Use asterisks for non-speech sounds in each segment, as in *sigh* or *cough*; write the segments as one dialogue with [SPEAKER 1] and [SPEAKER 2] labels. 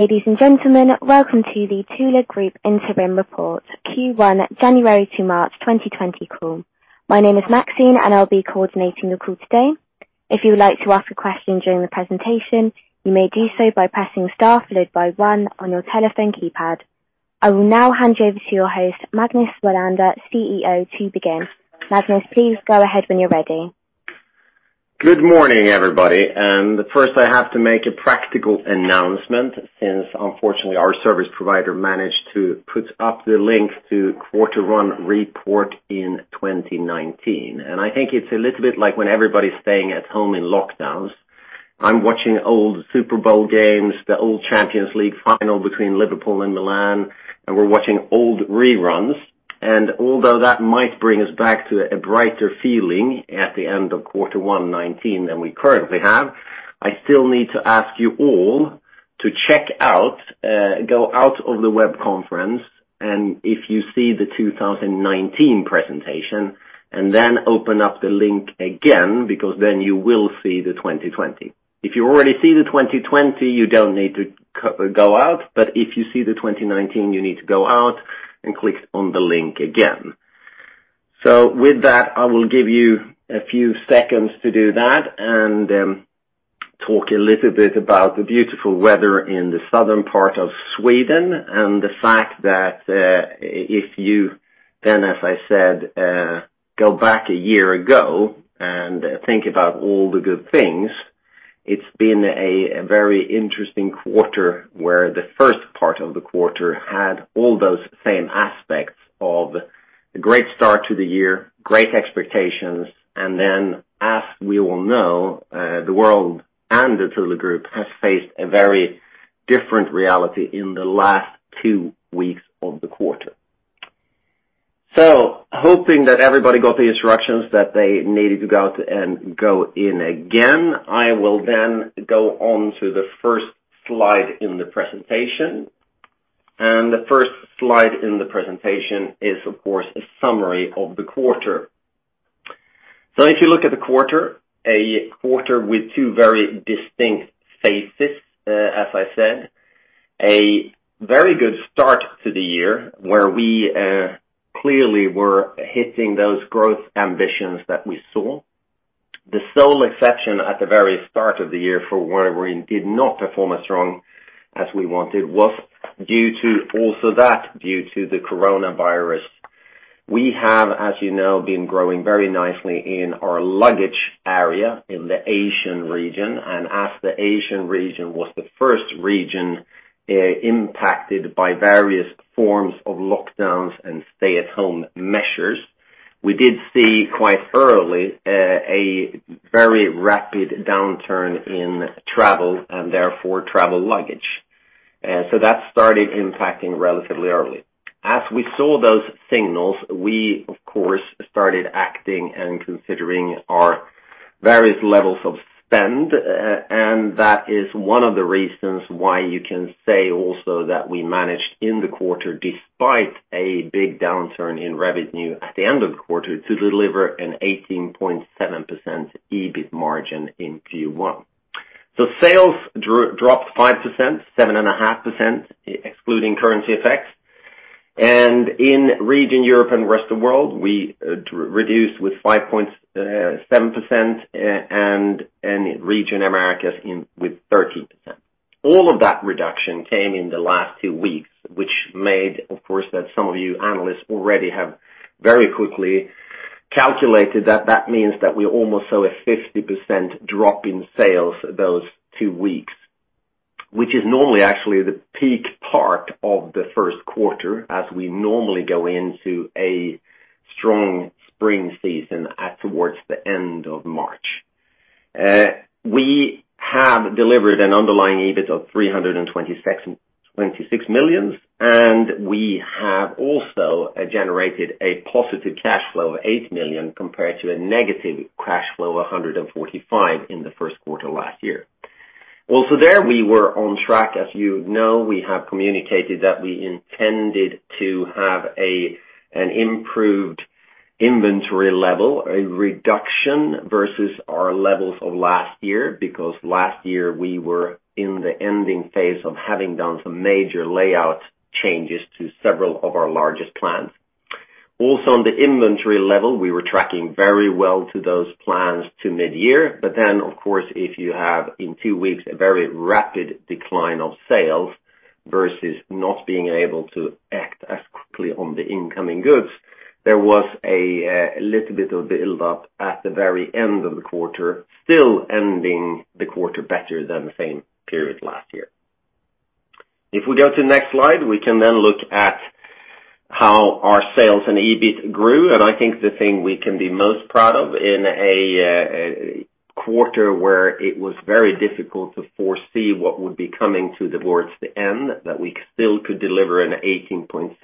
[SPEAKER 1] Ladies and gentlemen, welcome to the Thule Group Interim Report Q1, January to March 2020 Call. My name is Maxine, and I'll be coordinating the call today. If you would like to ask a question during the presentation, you may do so by pressing star followed by one on your telephone keypad. I will now hand you over to your host, Magnus Welander, CEO, to begin. Magnus, please go ahead when you're ready.
[SPEAKER 2] Good morning, everybody. First, I have to make a practical announcement since, unfortunately, our service provider managed to put up the link to the quarter one report in 2019. I think it's a little bit like when everybody's staying at home in lockdowns. I'm watching old Super Bowl games, the old Champions League final between Liverpool and Milan, and we're watching old reruns. Although that might bring us back to a brighter feeling at the end of quarter one 2019 than we currently have, I still need to ask you all to go out of the web conference, and if you see the 2019 presentation, then open up the link again, because then you will see the 2020. If you already see the 2020, you don't need to go out, but if you see the 2019, you need to go out and click on the link again. With that, I will give you a few seconds to do that and talk a little bit about the beautiful weather in the southern part of Sweden and the fact that if you then, as I said, go back a year and think about all the good things, it's been a very interesting quarter where the first part of the quarter had all those same aspects of a great start to the year and great expectations, and then, as we all know, the world and the Thule Group have faced a very different reality in the last two weeks of the quarter. Hoping that everybody got the instructions that they needed to go out and go in again, I will then go on to the first slide in the presentation. The first slide in the presentation is, of course, a summary of the quarter. If you look at the quarter, it's a quarter with two very distinct phases, as I said. A very good start to the year where we clearly were hitting those growth ambitions that we saw. The sole exception at the very start of the year, when we did not perform as strongly as we wanted, was due to the Coronavirus. We have, as you know, been growing very nicely in our luggage area in the Asian Region. As the Asian Region was the first region impacted by various forms of lockdowns and stay-at-home measures, we did see quite early a very rapid downturn in travel and, therefore, travel luggage. That started impacting relatively early. As we saw those signals, we, of course, started acting and considering our various levels of spend, and that is one of the reasons why you can say also that we managed in the quarter, despite a big downturn in revenue at the end of the quarter, to deliver an 18.7% EBIT margin in Q1. Sales dropped 5%, 7.5% excluding currency effects. In Region Europe & Rest of World, we reduced by 5.7%, and in Region Americas, by 13%. All of that reduction came in the last two weeks, which made it so that, of course, some of you analysts already have very quickly calculated that that means that we almost saw a 50% drop in sales those two weeks, which is normally actually the peak part of the first quarter as we normally go into a strong spring season towards the end of March. We have delivered an underlying EBIT of 326 million. We have also generated a positive cash flow of 8 million compared to a negative cash flow of 145 in the first quarter last year. There we were on track. As you know, we have communicated that we intended to have an improved inventory level, a reduction versus our levels of last year, because last year we were in the ending phase of having done some major layout changes to several of our largest plants. Also, on the inventory level, we were tracking very well for those plants mid-year, but then, of course, if you have in two weeks a very rapid decline of sales versus not being able to act as quickly on the incoming goods, there was a little bit of buildup at the very end of the quarter, still ending the quarter better than the same period last year. If we go to the next slide, we can then look at how our sales and EBIT grew, and I think the thing we can be most proud of in a quarter where it was very difficult to foresee what would be coming towards the end is that we still could deliver an 18.7%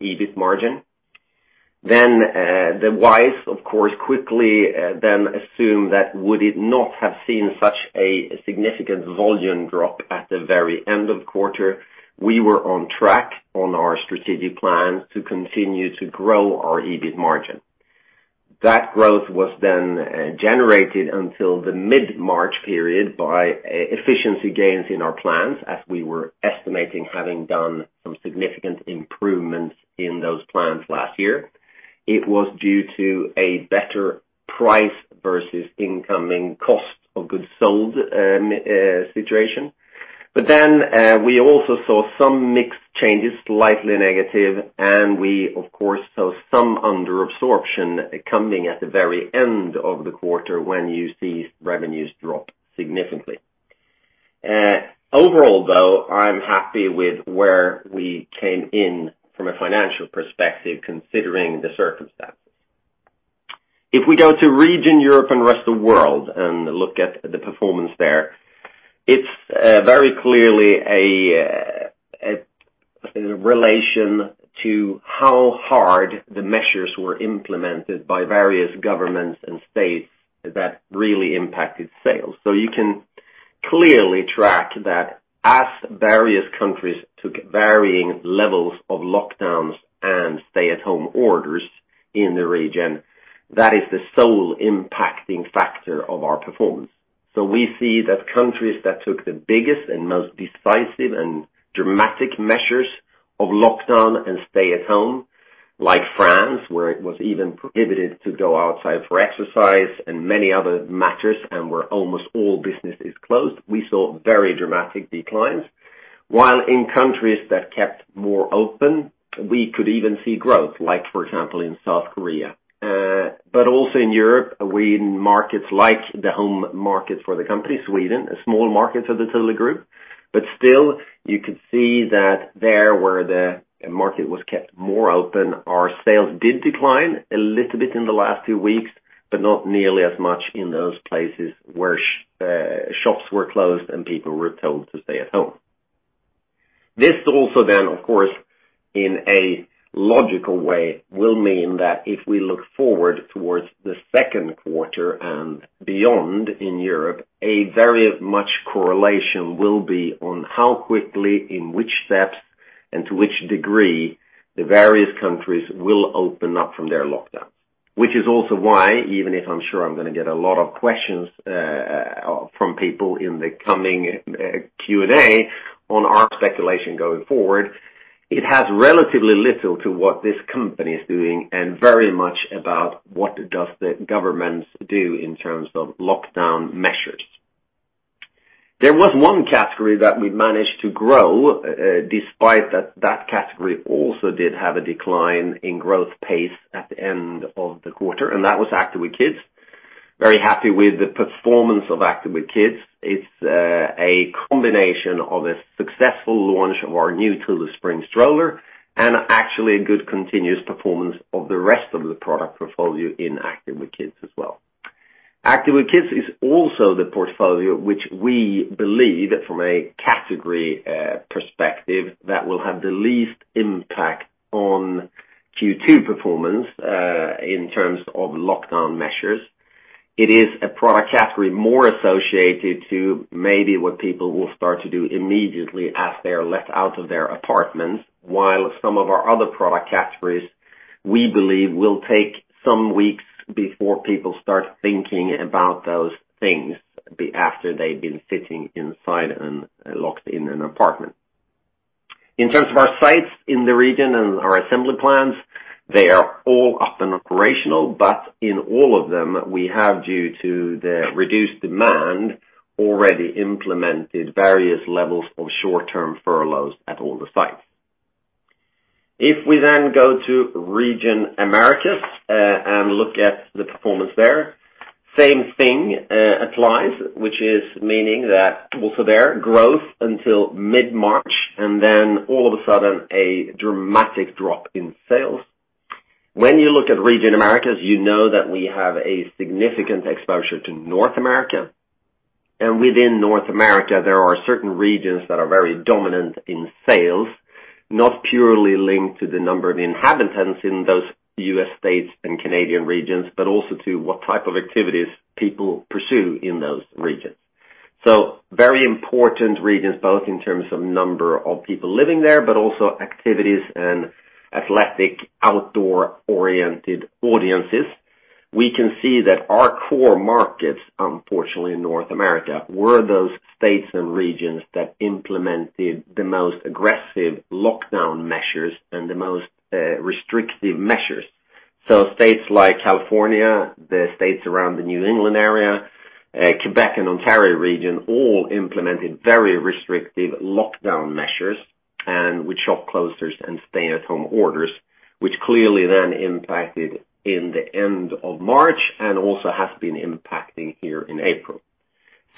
[SPEAKER 2] EBIT margin. The whys, of course, quickly then assume that if it had not seen such a significant volume drop at the very end of the quarter, we would have been on track with our strategic plan to continue to grow our EBIT margin. That growth was then generated until the mid-March period by efficiency gains in our plants, as we were estimating having made some significant improvements in those plants last year. It was due to a better price versus the incoming cost of goods sold situation. We also saw some mixed changes, slightly negative, and we, of course, saw some underabsorption coming at the very end of the quarter when you see revenues drop significantly. Overall, though, I'm happy with where we came in from a financial perspective, considering the circumstances. If we go to Region Europe & Rest of World and look at the performance there, it's very clearly a relation to how hard the measures were implemented by various governments and states that really impacted sales. You can clearly track that as various countries took varying levels of lockdowns and stay-at-home orders in the region, that is the sole impacting factor of our performance. We see that countries that took the biggest and most decisive and dramatic measures of lockdown and staying at home, like France, where it was even prohibited to go outside for exercise and many other matters and where almost all businesses closed, saw very dramatic declines. While in countries that kept more open, we could even see growth, like, for example, in South Korea. Also in Europe, in markets like the home market for the company, Sweden, a small market for the Thule Group. Still, you could see that there, where the market was kept more open, our sales did decline a little bit in the last few weeks, but not nearly as much in those places where shops were closed and people were told to stay at home. This also then, of course, in a logical way, will mean that if we look forward towards the second quarter and beyond in Europe, a very much correlation will be on how quickly, in which steps, and to which degree the various countries will open up from their lockdowns. Which is also why, even if I'm sure I'm going to get a lot of questions from people in the coming Q&A on our speculation going forward, it has relatively little to do with what this company is doing and very much about what the governments do in terms of lockdown measures. There was one category that we managed to grow, despite the fact that that category also did have a decline in growth pace at the end of the quarter, and that was Active with Kids. Very happy with the performance of Active with Kids. It's a combination of a successful launch of our new Thule Spring stroller and actually a good continuous performance of the rest of the product portfolio in Active with Kids as well. Active with Kids is also the portfolio which we believe, from a category perspective, will have the least impact on Q2 performance in terms of lockdown measures. It is a product category more associated with maybe what people will start to do immediately as they are let out of their apartments, while some of our other product categories, we believe, will take some weeks before people start thinking about those things after they've been sitting inside and locked in an apartment. In terms of our sites in the region and our assembly plants, they are all up and operational, but in all of them, we have, due to the reduced demand, already implemented various levels of short-term furloughs at all the sites. If we go to the Americas region and look at the performance there, the same thing applies, which means that also there, growth until mid-March and then, all of a sudden, a dramatic drop in sales. When you look at Region Americas, you know that we have significant exposure to North America. Within North America, there are certain regions that are very dominant in sales, not purely linked to the number of inhabitants in those U.S. states and Canadian regions but also to what type of activities people pursue in those regions. Very important regions, both in terms of number of people living there and also activities and athletic, outdoor-oriented audiences. We can see that our core markets, unfortunately, in North America, were those states and regions that implemented the most aggressive lockdown measures and the most restrictive measures. States like California, the states around the New England area, and the Quebec and Ontario regions all implemented very restrictive lockdown measures with shop closures and stay-at-home orders, which clearly then impacted the end of March and have also been impacting here in April.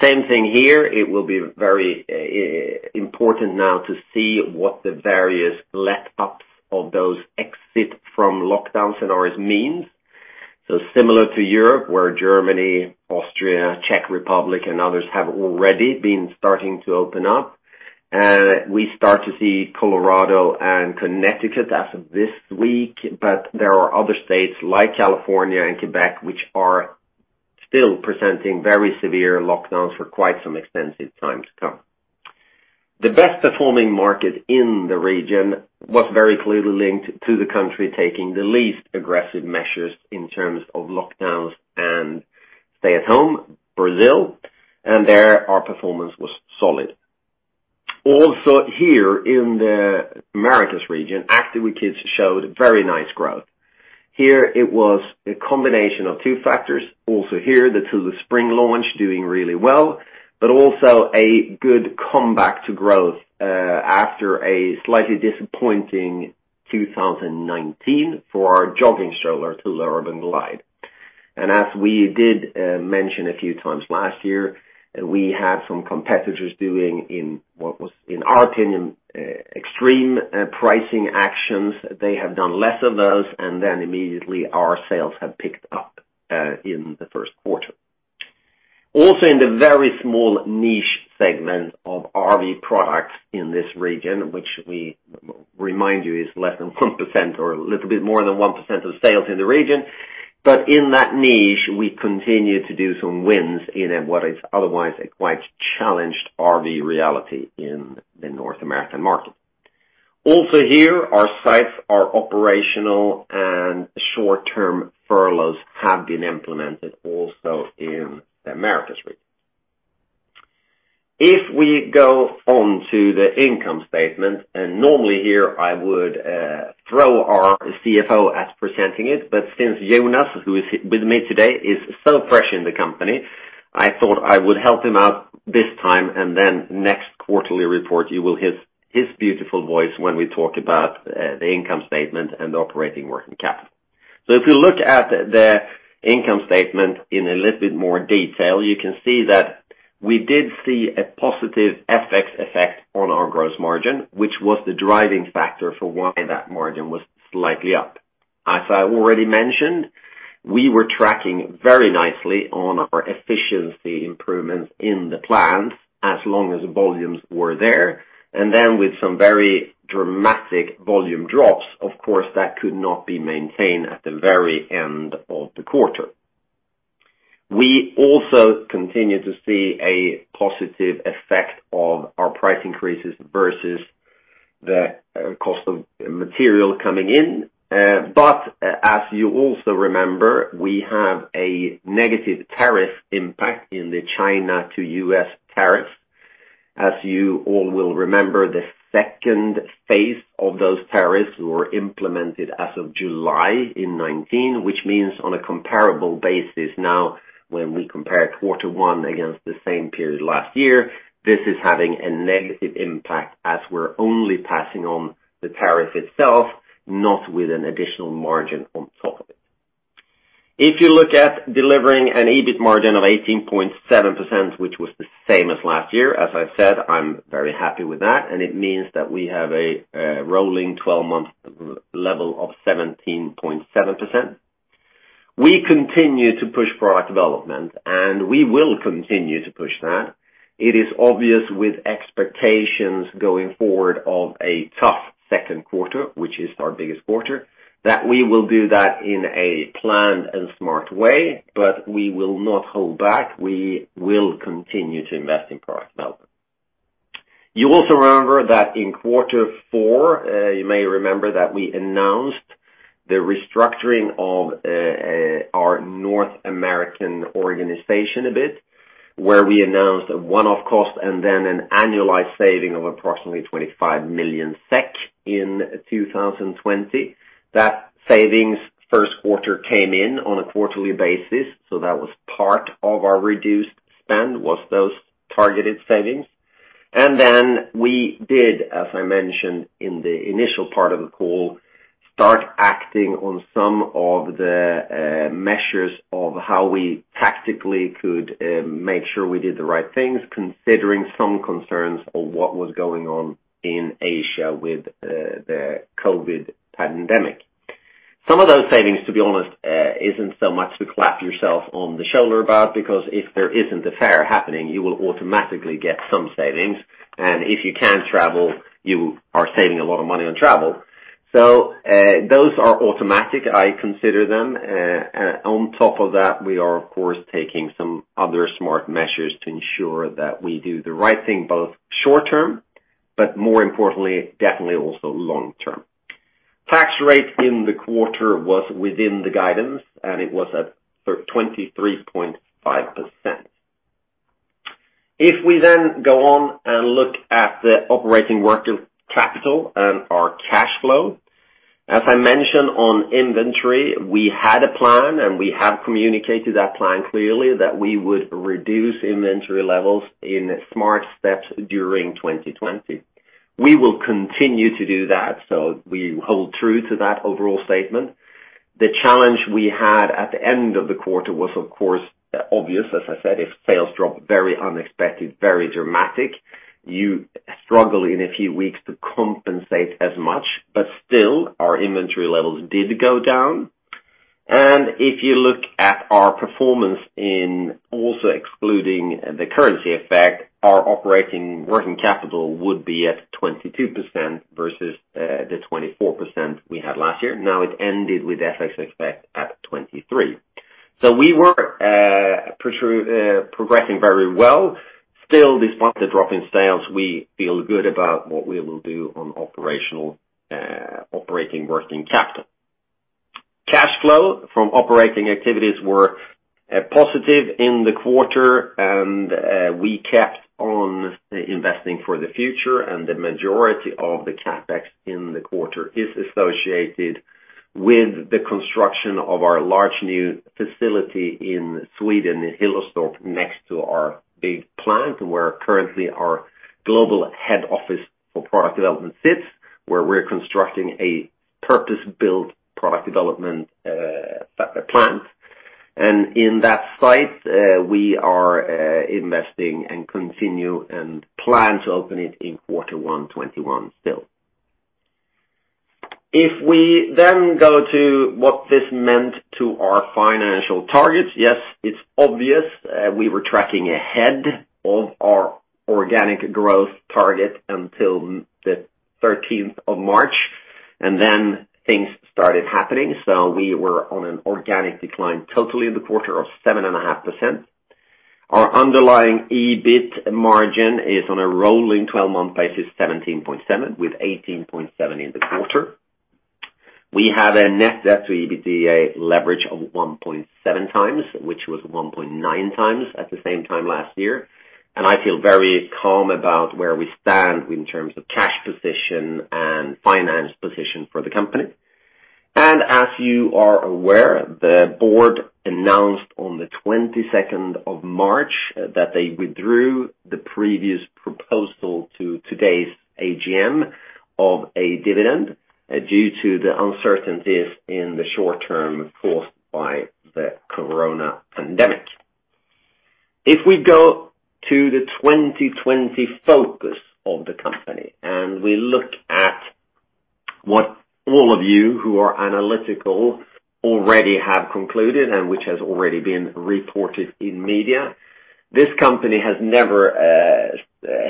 [SPEAKER 2] Same thing here. It will be very important now to see what the various let-ups of those exiting lockdown scenarios mean. Similar to Europe, where Germany, Austria, the Czech Republic, and others have already been starting to open up. We start to see Colorado and Connecticut as of this week, but there are other states like California and Quebec, which are still presenting very severe lockdowns for quite some extensive time to come. The best-performing market in the region was very clearly linked to the country taking the least aggressive measures in terms of lockdowns and stay at home, Brazil, and there, our performance was solid. Also here in the Region Active with Kids showed very nice growth. Here it was a combination of two factors. Also here, the Thule Spring is doing really well, but it's also a good comeback to growth after a slightly disappointing 2019 for our jogging stroller, the Thule Urban Glide. As we did mention a few times last year, we had some competitors doing, in our opinion, extreme pricing actions. They have done less of those, and then immediately our sales have picked up in the first quarter. Also in the very small niche segment of RV Products in this region, which we remind you is less than 1% or a little bit more than 1% of sales in the region. In that niche, we continue to do some wins in what is otherwise a quite challenged RV reality in the North American market. Also here, our sites are operational, and short-term furloughs have been implemented also in the Americas region. If we go on to the income statement, normally here I would throw our CFO as presenting it, but since Jonas, who is with me today, is so fresh in the company, I thought I would help him out this time, then next quarterly report, you will hear his beautiful voice when we talk about the income statement and the operating working capital. If you look at the income statement in a little bit more detail, you can see that we did see a positive FX effect on our gross margin, which was the driving factor for why that margin was slightly up. As I already mentioned, we were tracking very nicely on our efficiency improvements in the plant as long as volumes were there, then with some very dramatic volume drops, of course, that could not be maintained at the very end of the quarter. We also continue to see a positive effect of our price increases versus the cost of material coming in. As you also remember, we have a negative tariff impact from the China-to-U.S. tariff. As you all will remember, the second phase of those tariffs was implemented as of July in 2019, which means on a comparable basis now, when we compare quarter one against the same period last year, this is having a negative impact as we're only passing on the tariff itself, not with an additional margin on top of it. If you look at delivering an EBIT margin of 18.7%, which was the same as last year, as I've said, I'm very happy with that, and it means that we have a rolling 12-month level of 17.7%. We continue to push product development, and we will continue to push that. It is obvious with expectations going forward of a tough second quarter, which is our biggest quarter, that we will do that in a planned and smart way, but we will not hold back. We will continue to invest in product development. You also remember that in quarter four, you may remember that we announced the restructuring of our North American organization a bit, where we announced a one-off cost and then an annualized saving of approximately 25 million SEK in 2020. That savings first quarter came in on a quarterly basis, so that was part of our reduced spend, those targeted savings. We did, as I mentioned in the initial part of the call, start acting on some of the measures of how we tactically could make sure we did the right things, considering some concerns of what was going on in Asia with the COVID pandemic. Some of those savings, to be honest, aren't so much to pat yourself on the shoulder about, because if there isn't a fair happening, you will automatically get some savings. If you can't travel, you are saving a lot of money on travel. Those are automatic, I consider them to be. On top of that, we are, of course, taking some other smart measures to ensure that we do the right thing, both short-term and, more importantly, definitely also long-term. Tax rate in the quarter was within the guidance, it was at 23.5%. If we go on and look at the operating working capital and our cash flow. As I mentioned on inventory, we had a plan, and we have communicated that plan clearly: we would reduce inventory levels in smart steps during 2020. We will continue to do that. We hold true to that overall statement. The challenge we had at the end of the quarter was, of course, obvious. As I said, if sales drop very unexpectedly, very dramatically, you struggle in a few weeks to compensate as much. Still, our inventory levels did go down. If you look at our performance in also excluding the currency effect, our operating working capital would be at 22% versus the 24% we had last year. Now it ended with an FX effect at 23%. We were progressing very well. Still, despite the drop in sales, we feel good about what we will do with operating working capital. Cash flow from operating activities was positive in the quarter, and we kept on investing for the future, and the majority of the CapEx in the quarter is associated with the construction of our large new facility in Sweden, in Hillerstorp, next to our big plant, where currently our global head office for product development sits and where we're constructing a purpose-built product development plant. At that site, we are investing and continue to plan to open it in quarter one 2021 still. Let's then go to what this meant to our financial targets. Yes, it's obvious we were tracking ahead of our organic growth target until the 13th March, and then things started happening. We were on an organic decline totally in the quarter of 7.5%. Our underlying EBIT margin is on a rolling 12-month basis, 17.7%, with 18.7% in the quarter. We have a net debt to EBITDA leverage of 1.7x, which was 1.9x at the same time last year. I feel very calm about where we stand in terms of cash position and finance position for the company. As you are aware, the board announced on the 22nd of March that they withdrew the previous proposal to today's AGM of a dividend due to the uncertainties in the short term caused by the corona pandemic. If we go to the 2020 focus of the company, and we look at what all of you who are analytical already have concluded and which has already been reported in media, this company has never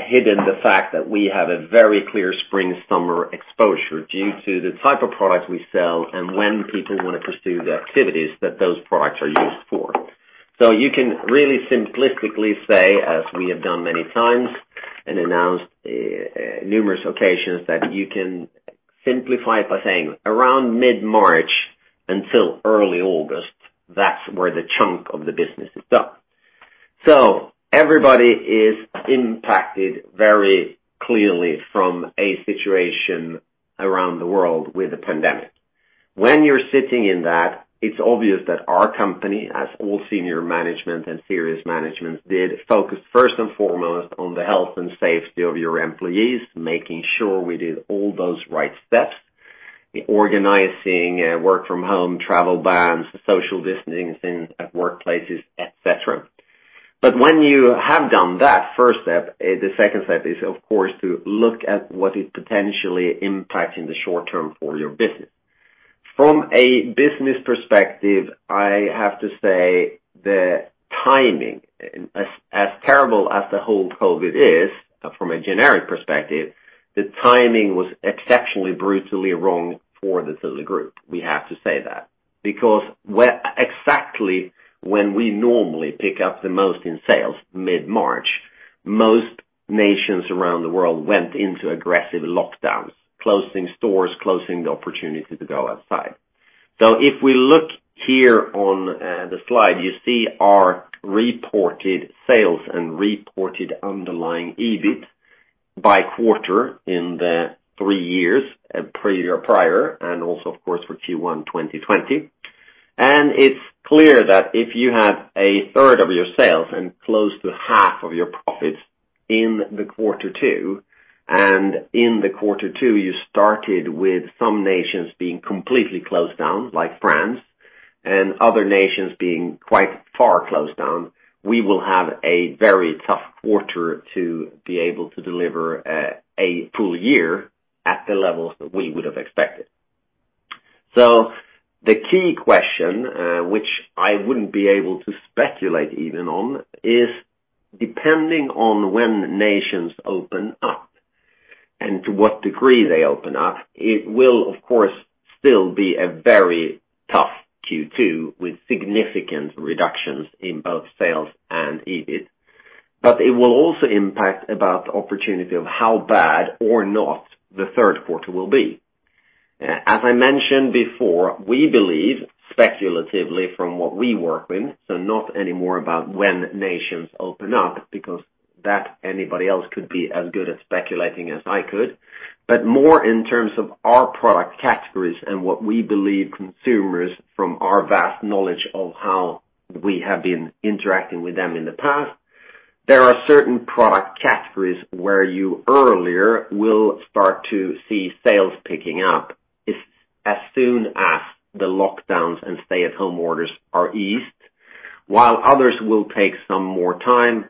[SPEAKER 2] hidden the fact that we have a very clear spring-summer exposure due to the type of products we sell and when people want to pursue the activities that those products are used for. You can really simplistically say, as we have done many times and announced on numerous occasions, that you can simplify it by saying around mid-March until early August, that's where the chunk of the business is done. Everybody is impacted very clearly from a situation around the world with the pandemic. When you're sitting in that, it's obvious that our company, as all senior management and serious management did, focus first and foremost on the health and safety of your employees, making sure we did all those right steps, organizing work from home, travel bans, social distancing at workplaces, et cetera. When you have done that first step, the second step is, of course, to look at what is potentially impacting the short term for your business. From a business perspective, I have to say the timing, as terrible as the whole COVID situation is from a generic perspective, was exceptionally brutally wrong for the Thule Group. We have to say that. Exactly when we normally pick up the most in sales, mid-March, most nations around the world went into aggressive lockdowns, closing stores and closing the opportunity to go outside. If we look here on the slide, you see our reported sales and reported underlying EBIT by quarter in the three years prior and also, of course, for Q1 2020. It's clear that if you had a third of your sales and close to half of your profits in quarter two, and in quarter two, you started with some nations being completely closed down, like France, and other nations being quite far from closed down, you will have a very tough quarter to be able to deliver a full year at the levels that we would have expected. The key question, which I wouldn't be able to speculate even on, is depending on when nations open up and to what degree they open up, it will, of course, still be a very tough Q2 with significant reductions in both sales and EBIT. It will also impact the opportunity of how bad or not the third quarter will be. As I mentioned before, we believe speculatively from what we work with, so not anymore about when nations open up because anybody else could be as good at speculating as I could. More in terms of our product categories and what we believe consumers, from our vast knowledge of how we have been interacting with them in the past, there are certain product categories where you earlier will start to see sales picking up as soon as the lockdowns and stay-at-home orders are eased, while others will take some more time.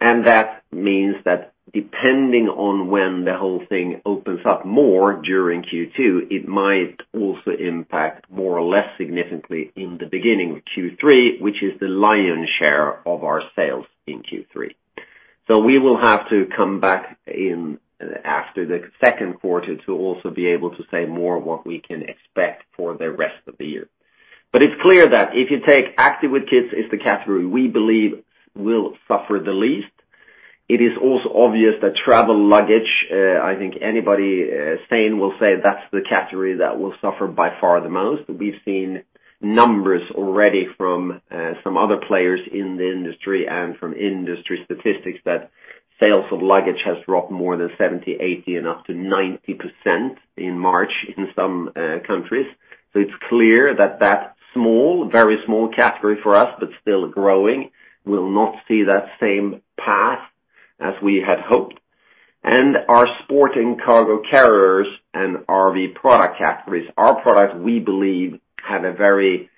[SPEAKER 2] That means that depending on when the whole thing opens up more during Q2, it might also impact more or less significantly in the beginning of Q3, which is the lion's share of our sales in Q3. We will have to come back in after the second quarter to also be able to say more about what we can expect for the rest of the year. It's clear that if you take Active with Kids, it's the category we believe will suffer the least. It is also obvious that travel luggage—I think anybody sane will say that's the category that will suffer by far the most. We've seen numbers already from some other players in the industry and from industry statistics that sales of luggage have dropped more than 70%, 80%, and up to 90% in March in some countries. It's clear that a small, very small category for us is still growing and will not see that same path as we had. sport & cargo carriers and RV Products are products we believe have a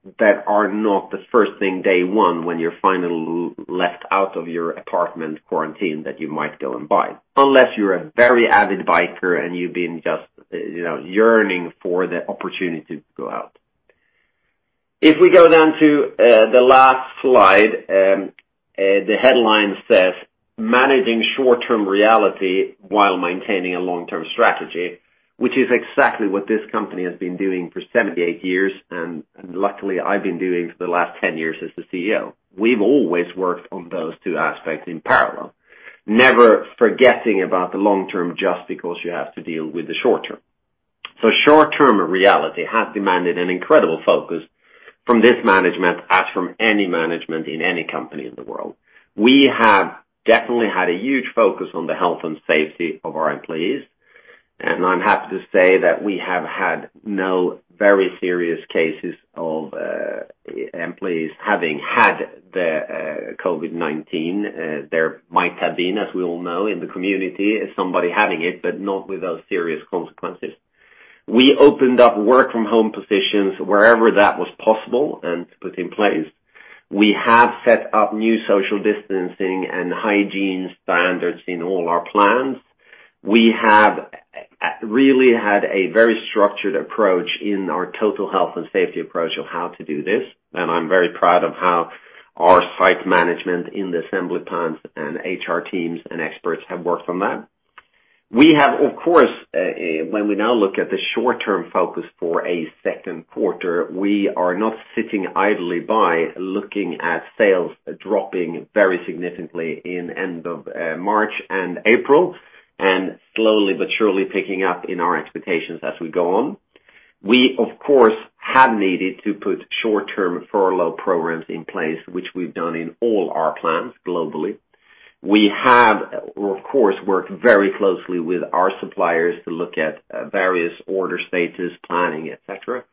[SPEAKER 2] very good opportunity, but they are not the first thing on day one when you're finally left out of your apartment quarantine that you might go and buy, unless you're a very avid biker and you've been just yearning for the opportunity to go out. If we go down to the last slide, the headline says, Managing short-term reality while maintaining a long-term strategy, which is exactly what this company has been doing for 78 years, and luckily I've been doing for the last 10 years as the CEO. We've always worked on those two aspects in parallel, never forgetting about the long term just because you have to deal with the short term. Short-term reality has demanded an incredible focus from this management as from any management in any company in the world. We have definitely had a huge focus on the health and safety of our employees, and I'm happy to say that we have had no very serious cases of employees having had COVID-19. There might have been, as we all know, in the community, somebody having it, but not with those serious consequences. We opened up work-from-home positions wherever that was possible and put them in place. We have set up new social distancing and hygiene standards in all our plants. We have really had a very structured approach in our total health and safety approach of how to do this, and I'm very proud of how our site management in the assembly plants and HR teams and experts have worked on that. We have, of course, when we now look at the short-term focus for a second quarter, we are not sitting idly by looking at sales dropping very significantly at the end of March and April and slowly but surely picking up in our expectations as we go on. We, of course, have needed to put short-term furlough programs in place, which we've done in all our plants globally. We have, of course, worked very closely with our suppliers to look at various order statuses, planning, et cetera.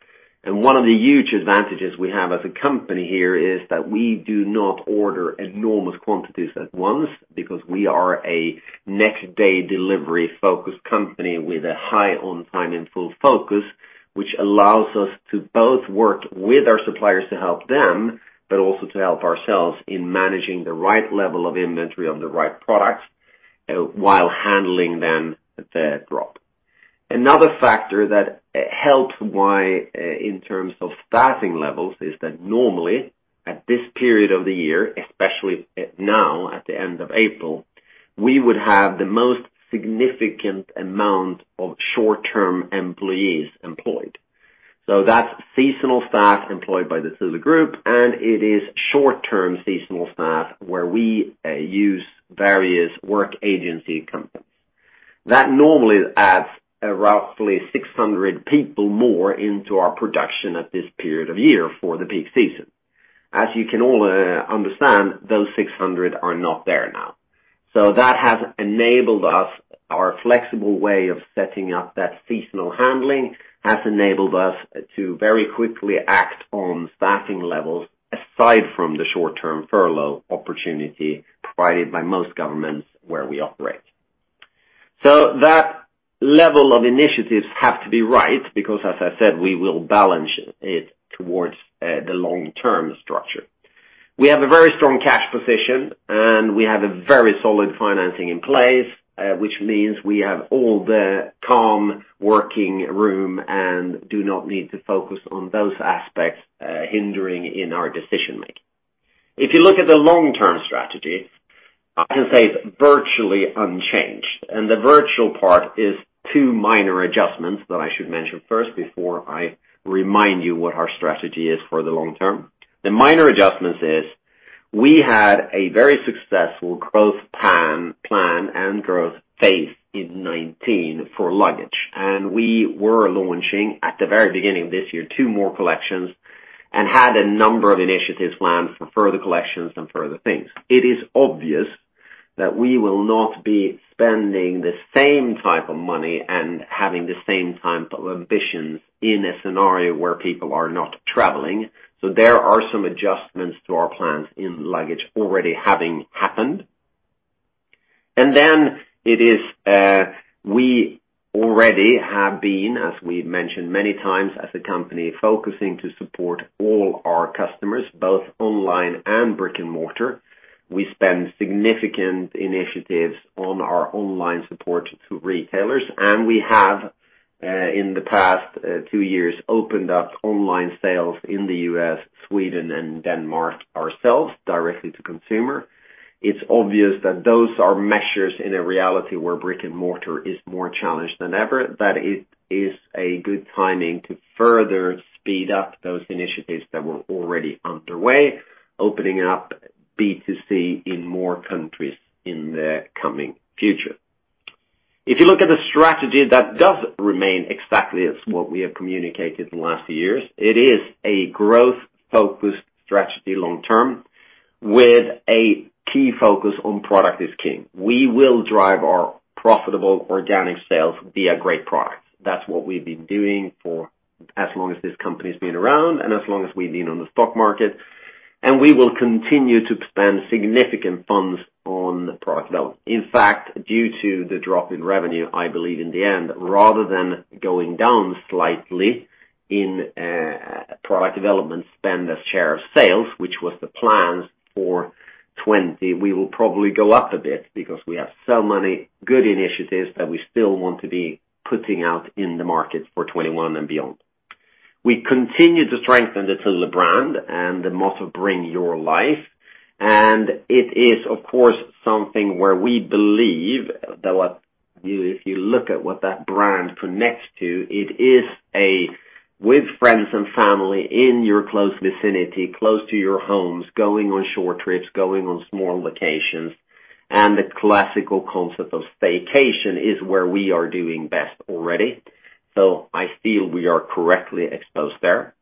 [SPEAKER 2] One of the huge advantages we have as a company here is that we do not order enormous quantities at once because we are a next-day delivery-focused company with a high on-time and full focus, which allows us to both work with our suppliers to help them and also to help ourselves in managing the right level of inventory on the right products while handling the drop. Another factor that helped us in terms of staffing levels is that normally at this period of the year, especially now at the end of April, we would have the most significant amount of short-term employees employed. That's seasonal staff employed by the Thule Group, and it is short-term seasonal staff where we use various work agency companies. That normally adds roughly 600 people more into our production at this period of year for the peak season. As you can all understand, those 600 are not there now. That has enabled our flexible way of setting up that seasonal handling and has enabled us to very quickly act on staffing levels aside from the short-term furlough opportunity provided by most governments where we operate. That level of initiative has to be right because, as I said, we will balance it towards the long-term structure. We have a very strong cash position, and we have very solid financing in place, which means we have all the calm working room and do not need to focus on those aspects hindering our decision-making. If you look at the long-term strategy, I can say it's virtually unchanged, and the virtual part is two minor adjustments that I should mention first before I remind you what our strategy is for the long term. The minor adjustments is we had a very successful growth plan and growth phase in 2019 for luggage, and we were launching at the very beginning of this year two more collections and had a number of initiatives planned for further collections and further things. It is obvious that we will not be spending the same type of money and having the same type of ambitions in a scenario where people are not traveling. There are some adjustments to our plants for luggage already having happened. It is what we already have been, as we've mentioned many times, as a company, focusing on supporting all our customers, both online and brick-and-mortar. We have spent significant effort on our online support to retailers, and we have, in the past two years, opened up online sales in the U.S., Sweden, and Denmark ourselves directly to consumers. It's obvious that those are measures in a reality where brick and mortar is more challenged than ever, so it is a good time to further speed up those initiatives that were already underway, opening up B2C in more countries in the coming future. If you look at the strategy, that does remain exactly as what we have communicated in the last years. It is a growth-focused strategy long term with a key focus on product is king. We will drive our profitable organic sales via great products. That's what we've been doing for as long as this company's been around and as long as we've been on the stock market. We will continue to spend significant funds on product development. In fact, due to the drop in revenue, I believe in the end, rather than going down slightly in product development spend as a share of sales, which was the plan for 2020, we will probably go up a bit because we have so many good initiatives that we still want to be putting out in the market for 2021 and beyond. We continue to strengthen the Thule brand and the motto, Bring your life. It is, of course, something where we believe that if you look at what that brand connects to, it is friends and family in your close vicinity, close to your homes, going on short trips, going on small vacations, and the classical concept of staycation is where we are doing best already. I feel we are correctly exposed there.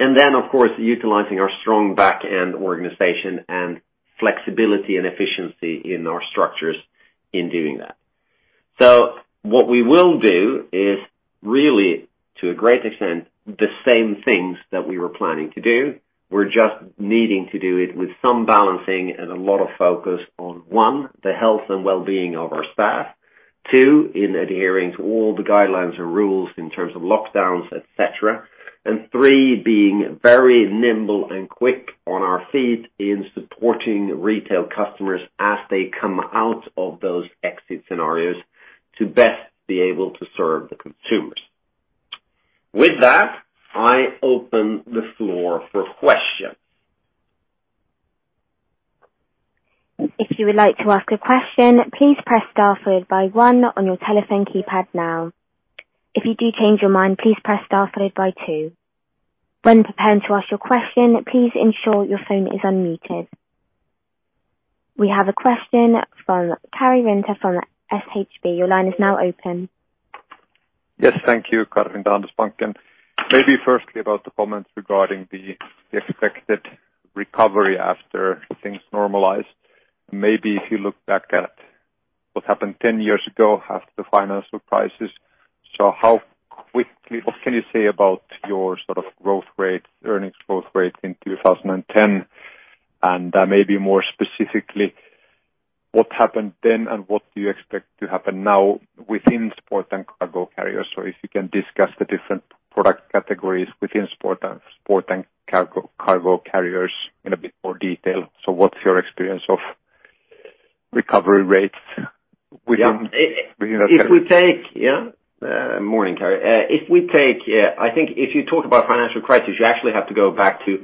[SPEAKER 2] Of course, utilizing our strong backend organization and flexibility and efficiency in our structures in doing that. What we will do is really, to a great extent, the same things that we were planning to do. We're just needing to do it with some balancing and a lot of focus on, one, the health and well-being of our staff, two, adhering to all the guidelines and rules in terms of lockdowns, et cetera, and three, being very nimble and quick on our feet in supporting retail customers as they come out of those exit scenarios to best be able to serve the consumers. With that, I open the floor for questions.
[SPEAKER 1] If you would like to ask a question, please press star followed by one on your telephone keypad now. If you do change your mind, please press star followed by two. When preparing to ask your question, please ensure your phone is unmuted. We have a question from Karri Rinta from SHB. Your line is now open.
[SPEAKER 3] Yes. Thank you. *inaudible* Firstly, about the comments regarding the expected recovery after things normalize. If you look back at what happened 10 years ago after the financial crisis. What can you say about your sort of growth rate, earnings growth rate, in 2010? Maybe more specifically, what happened then, and what do you expect to happen now within Sport & Cargo Carriers? if you can, discuss the different product Sport & Cargo Carriers, in a bit more detail. What's your experience of recovery rates within that category?
[SPEAKER 2] If we take Morning, Karri. I think if you talk about the financial crisis, you actually have to go back to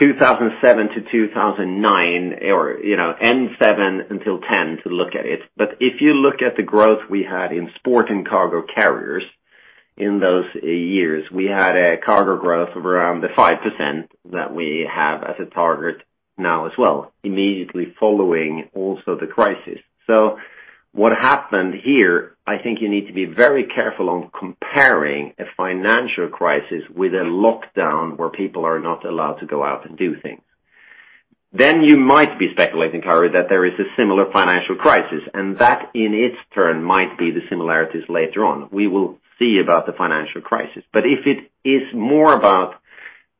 [SPEAKER 2] 2007 to 2009 or late 2007 until 2010 to look at it. If you look at the growth we had in Sport & Cargo Carriers in those years, we had a cargo growth of around the 5% that we have as a target now as well, immediately following the crisis. What happened here? I think you need to be very careful when comparing a financial crisis with a lockdown where people are not allowed to go out and do things. You might be speculating, Karri, that there is a similar financial crisis, and that, in turn, might be the similarity later on. We will see about the financial crisis. If it is more about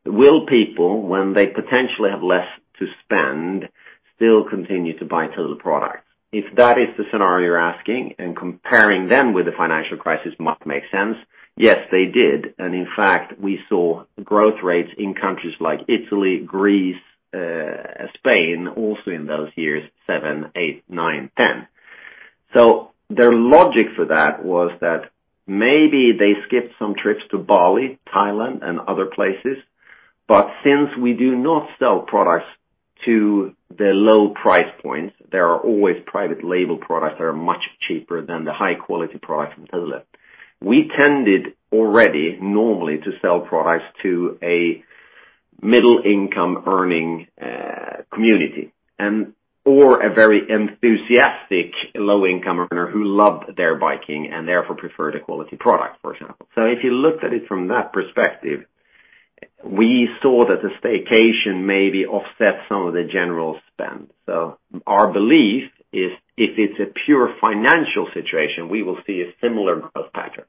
[SPEAKER 2] will people, when they potentially have less to spend, still continue to buy Thule products? If that is the scenario you're asking about and comparing them with the financial crisis, it must make sense, yes, they did. In fact, we saw growth rates in countries like Italy, Greece, and Spain also in those years, 2007, 2008, 2009, and 2010. The logic for that was that maybe they skipped some trips to Bali, Thailand, and other places, but since we do not sell products at the low price points, there are always private label products that are much cheaper than the high-quality products from Thule. We tended already normally to sell products to a middle-income-earning community and/or a very enthusiastic low-income earner who loved their biking and therefore preferred a quality product, for example. If you looked at it from that perspective, we saw that the staycation maybe offset some of the general spending. Our belief is if it's a pure financial situation, we will see a similar growth pattern.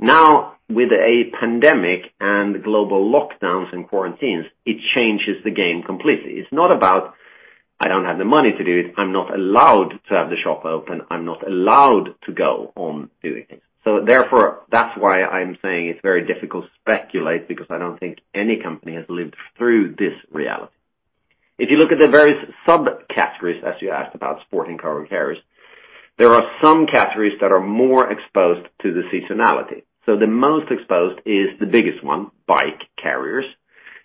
[SPEAKER 2] Now with a pandemic and global lockdowns and quarantines, it changes the game completely. It's not about me not having the money to do it. I'm not allowed to have the shop open. I'm not allowed to go on doing it. Therefore, that's why I'm saying it's very difficult to speculate because I don't think any company has lived through this reality. If you look at the various subcategories, such as Sport & Cargo Carriers, there are some categories that are more exposed to seasonality. The most exposed is the biggest one, bike carriers,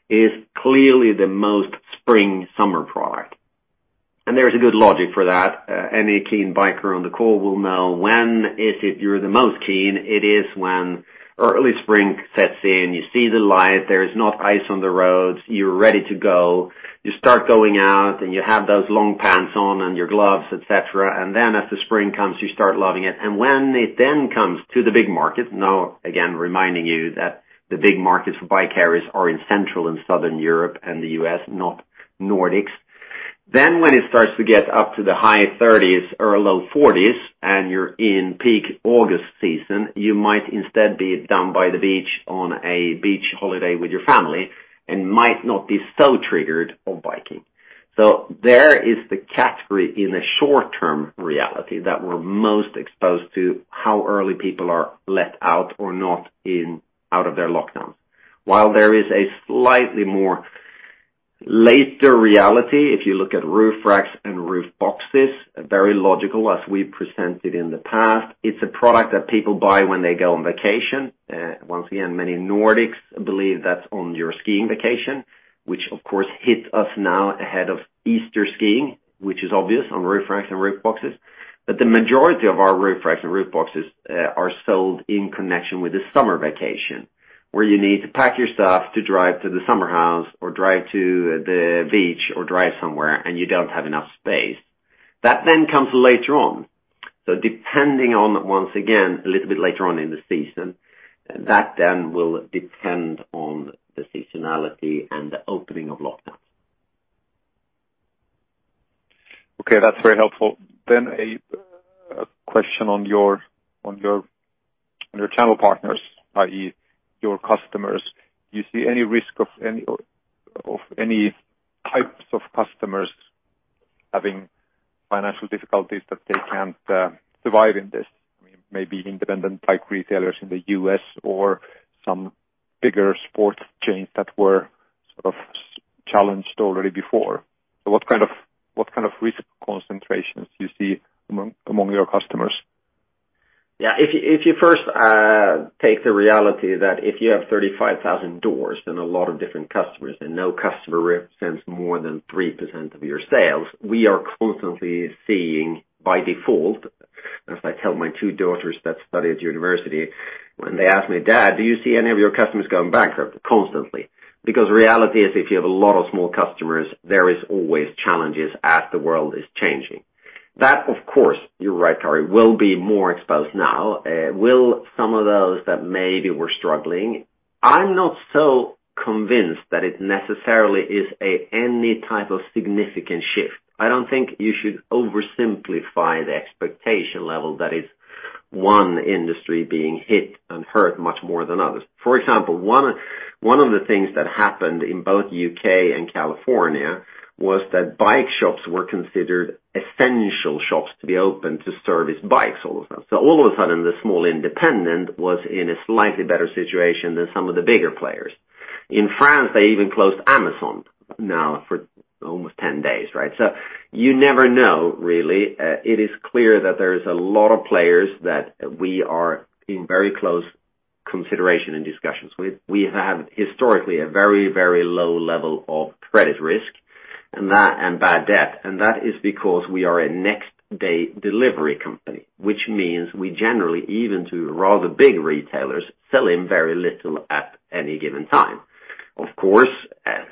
[SPEAKER 2] which are clearly the most spring/summer products. There is a good logic for that. Any keen biker on the call will know when it is that you're the most keen: it is when early spring sets in, you see the light, there is no ice on the roads, and you're ready to go. You start going out and you have those long pants on and your gloves, et cetera. Then as the spring comes, you start loving it. When it then comes to the big market, now again reminding you that the big markets for bike carriers are in Central and Southern Europe and the U.S., not the Nordics. When it starts to get up to the high 30s or low 40s and you're in peak August season, you might instead be down by the beach on a beach holiday with your family and might not be so triggered by biking. There is the category in the short-term reality that we're most exposed to: how early people are let out or not out of their lockdowns. While there is a slightly more late reality, if you look at roof racks and roof boxes, they are very logical, as we presented in the past. It's a product that people buy when they go on vacation. Once again, many Nordics believe that's on your skiing vacation, which, of course, hits us now ahead of Easter skiing, which is obvious on roof racks and roof boxes. The majority of our roof racks and roof boxes are sold in connection with summer vacation, where you need to pack your stuff to drive to the summer house or drive to the beach or drive somewhere and you don't have enough space. That then comes later on. Depending on, once again, a little bit later on in the season, that then will depend on the seasonality and the opening of lockdowns.
[SPEAKER 3] Okay, that's very helpful. A question on your channel partners, i.e., your customers. Do you see any risk of any types of customers having financial difficulties that they can't survive in this? Maybe independent bike retailers in the U.S. or some bigger sports chains that were sort of challenged already before. What kind of risk concentrations do you see among your customers?
[SPEAKER 2] Yeah. If you first take the reality that you have 35,000 doors and a lot of different customers and no customer represents more than 3% of your sales, we are constantly seeing by default, as I tell my two daughters that study at university when they ask me, Dad, do you see any of your customers going bankrupt? Constantly. Because the reality is if you have a lot of small customers, there is always challenges as the world is changing. That, of course, you're right, Karri, will be more exposed now. Will some of those that maybe were struggling? I'm not so convinced that it necessarily is any type of significant shift. I don't think you should oversimplify the expectation level; that is, one industry is being hit and hurt much more than others. For example, one of the things that happened in both the U.K. and California was that bike shops were considered essential shops to be open to service bikes all of a sudden. All of a sudden, the small independent was in a slightly better situation than some of the bigger players. In France, they even closed Amazon now for almost 10 days. You never know really. It is clear that there is a lot of players that we are in very close consideration and discussions with. We have historically a very, very low level of credit risk and bad debt. That is because we are a next-day delivery company, which means we generally, even to rather big retailers, sell very little at any given time. Of course,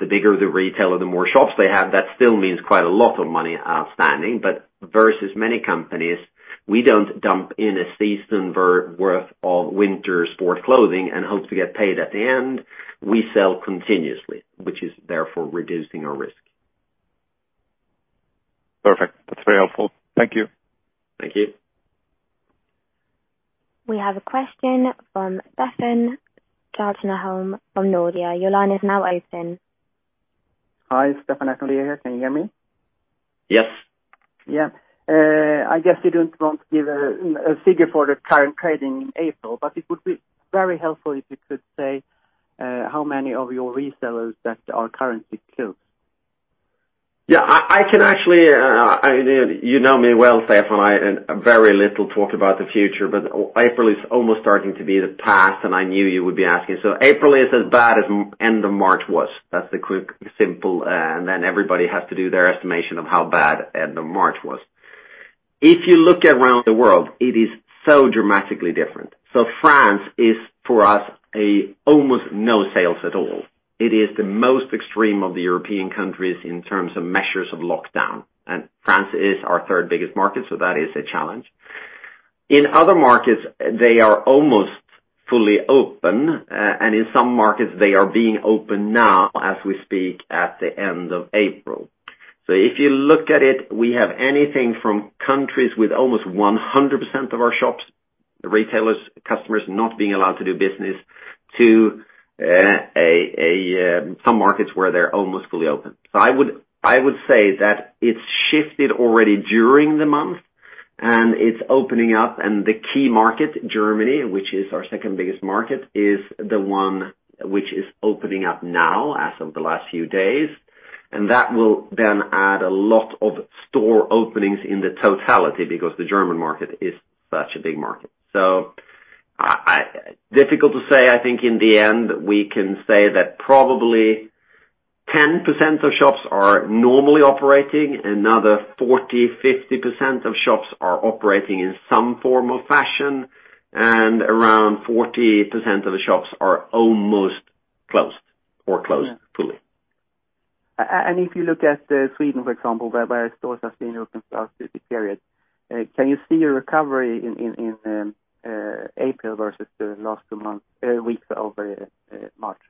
[SPEAKER 2] the bigger the retailer, the more shops they have, that still means quite a lot of money outstanding, but versus many companies, we don't dump a season's worth of winter sports clothing and hope to get paid at the end. We sell continuously, which is therefore reducing our risk.
[SPEAKER 3] Perfect. That's very helpful. Thank you.
[SPEAKER 2] Thank you.
[SPEAKER 1] We have a question from Stefan Stjernholm from Nordea. Your line is now open.
[SPEAKER 4] Hi, Stefan Stjernholm here. Can you hear me?
[SPEAKER 2] Yes.
[SPEAKER 4] Yeah. I guess you don't want to give a figure for the current trading in April, but it would be very helpful if you could say how many of your resellers are currently closed.
[SPEAKER 2] Yeah. You know me well, Stefan. I talk very little about the future, but April is almost starting to be the past, and I knew you would be asking. April is as bad as the end of March was. That's the quick, simple, and then everybody has to do their estimation of how bad the end of March was. If you look around the world, it is so dramatically different. France is, for us, almost no sales at all. It is the most extreme of the European countries in terms of measures of lockdown. France is our third biggest market, so that is a challenge. In other markets, they are almost fully open, and in some markets they are being opened now as we speak at the end of April. If you look at it, we have anything from countries with almost 100% of our shops, retailers, and customers not being allowed to do business to some markets where they're almost fully open. I would say that it's shifted already during the month. It's opening up, and the key market, Germany, which is our second-biggest market, is the one that is opening up now as of the last few days. That will add a lot of store openings in total because the German market is such a big market. Difficult to say. I think in the end, we can say that probably 10% of shops are normally operating, another 40%-50% of shops are operating in some form of fashion, and around 40% of the shops are almost closed or closed fully.
[SPEAKER 4] If you look at Sweden, for example, whereby stores have been open throughout this period, can you see a recovery in April versus the last two weeks of March?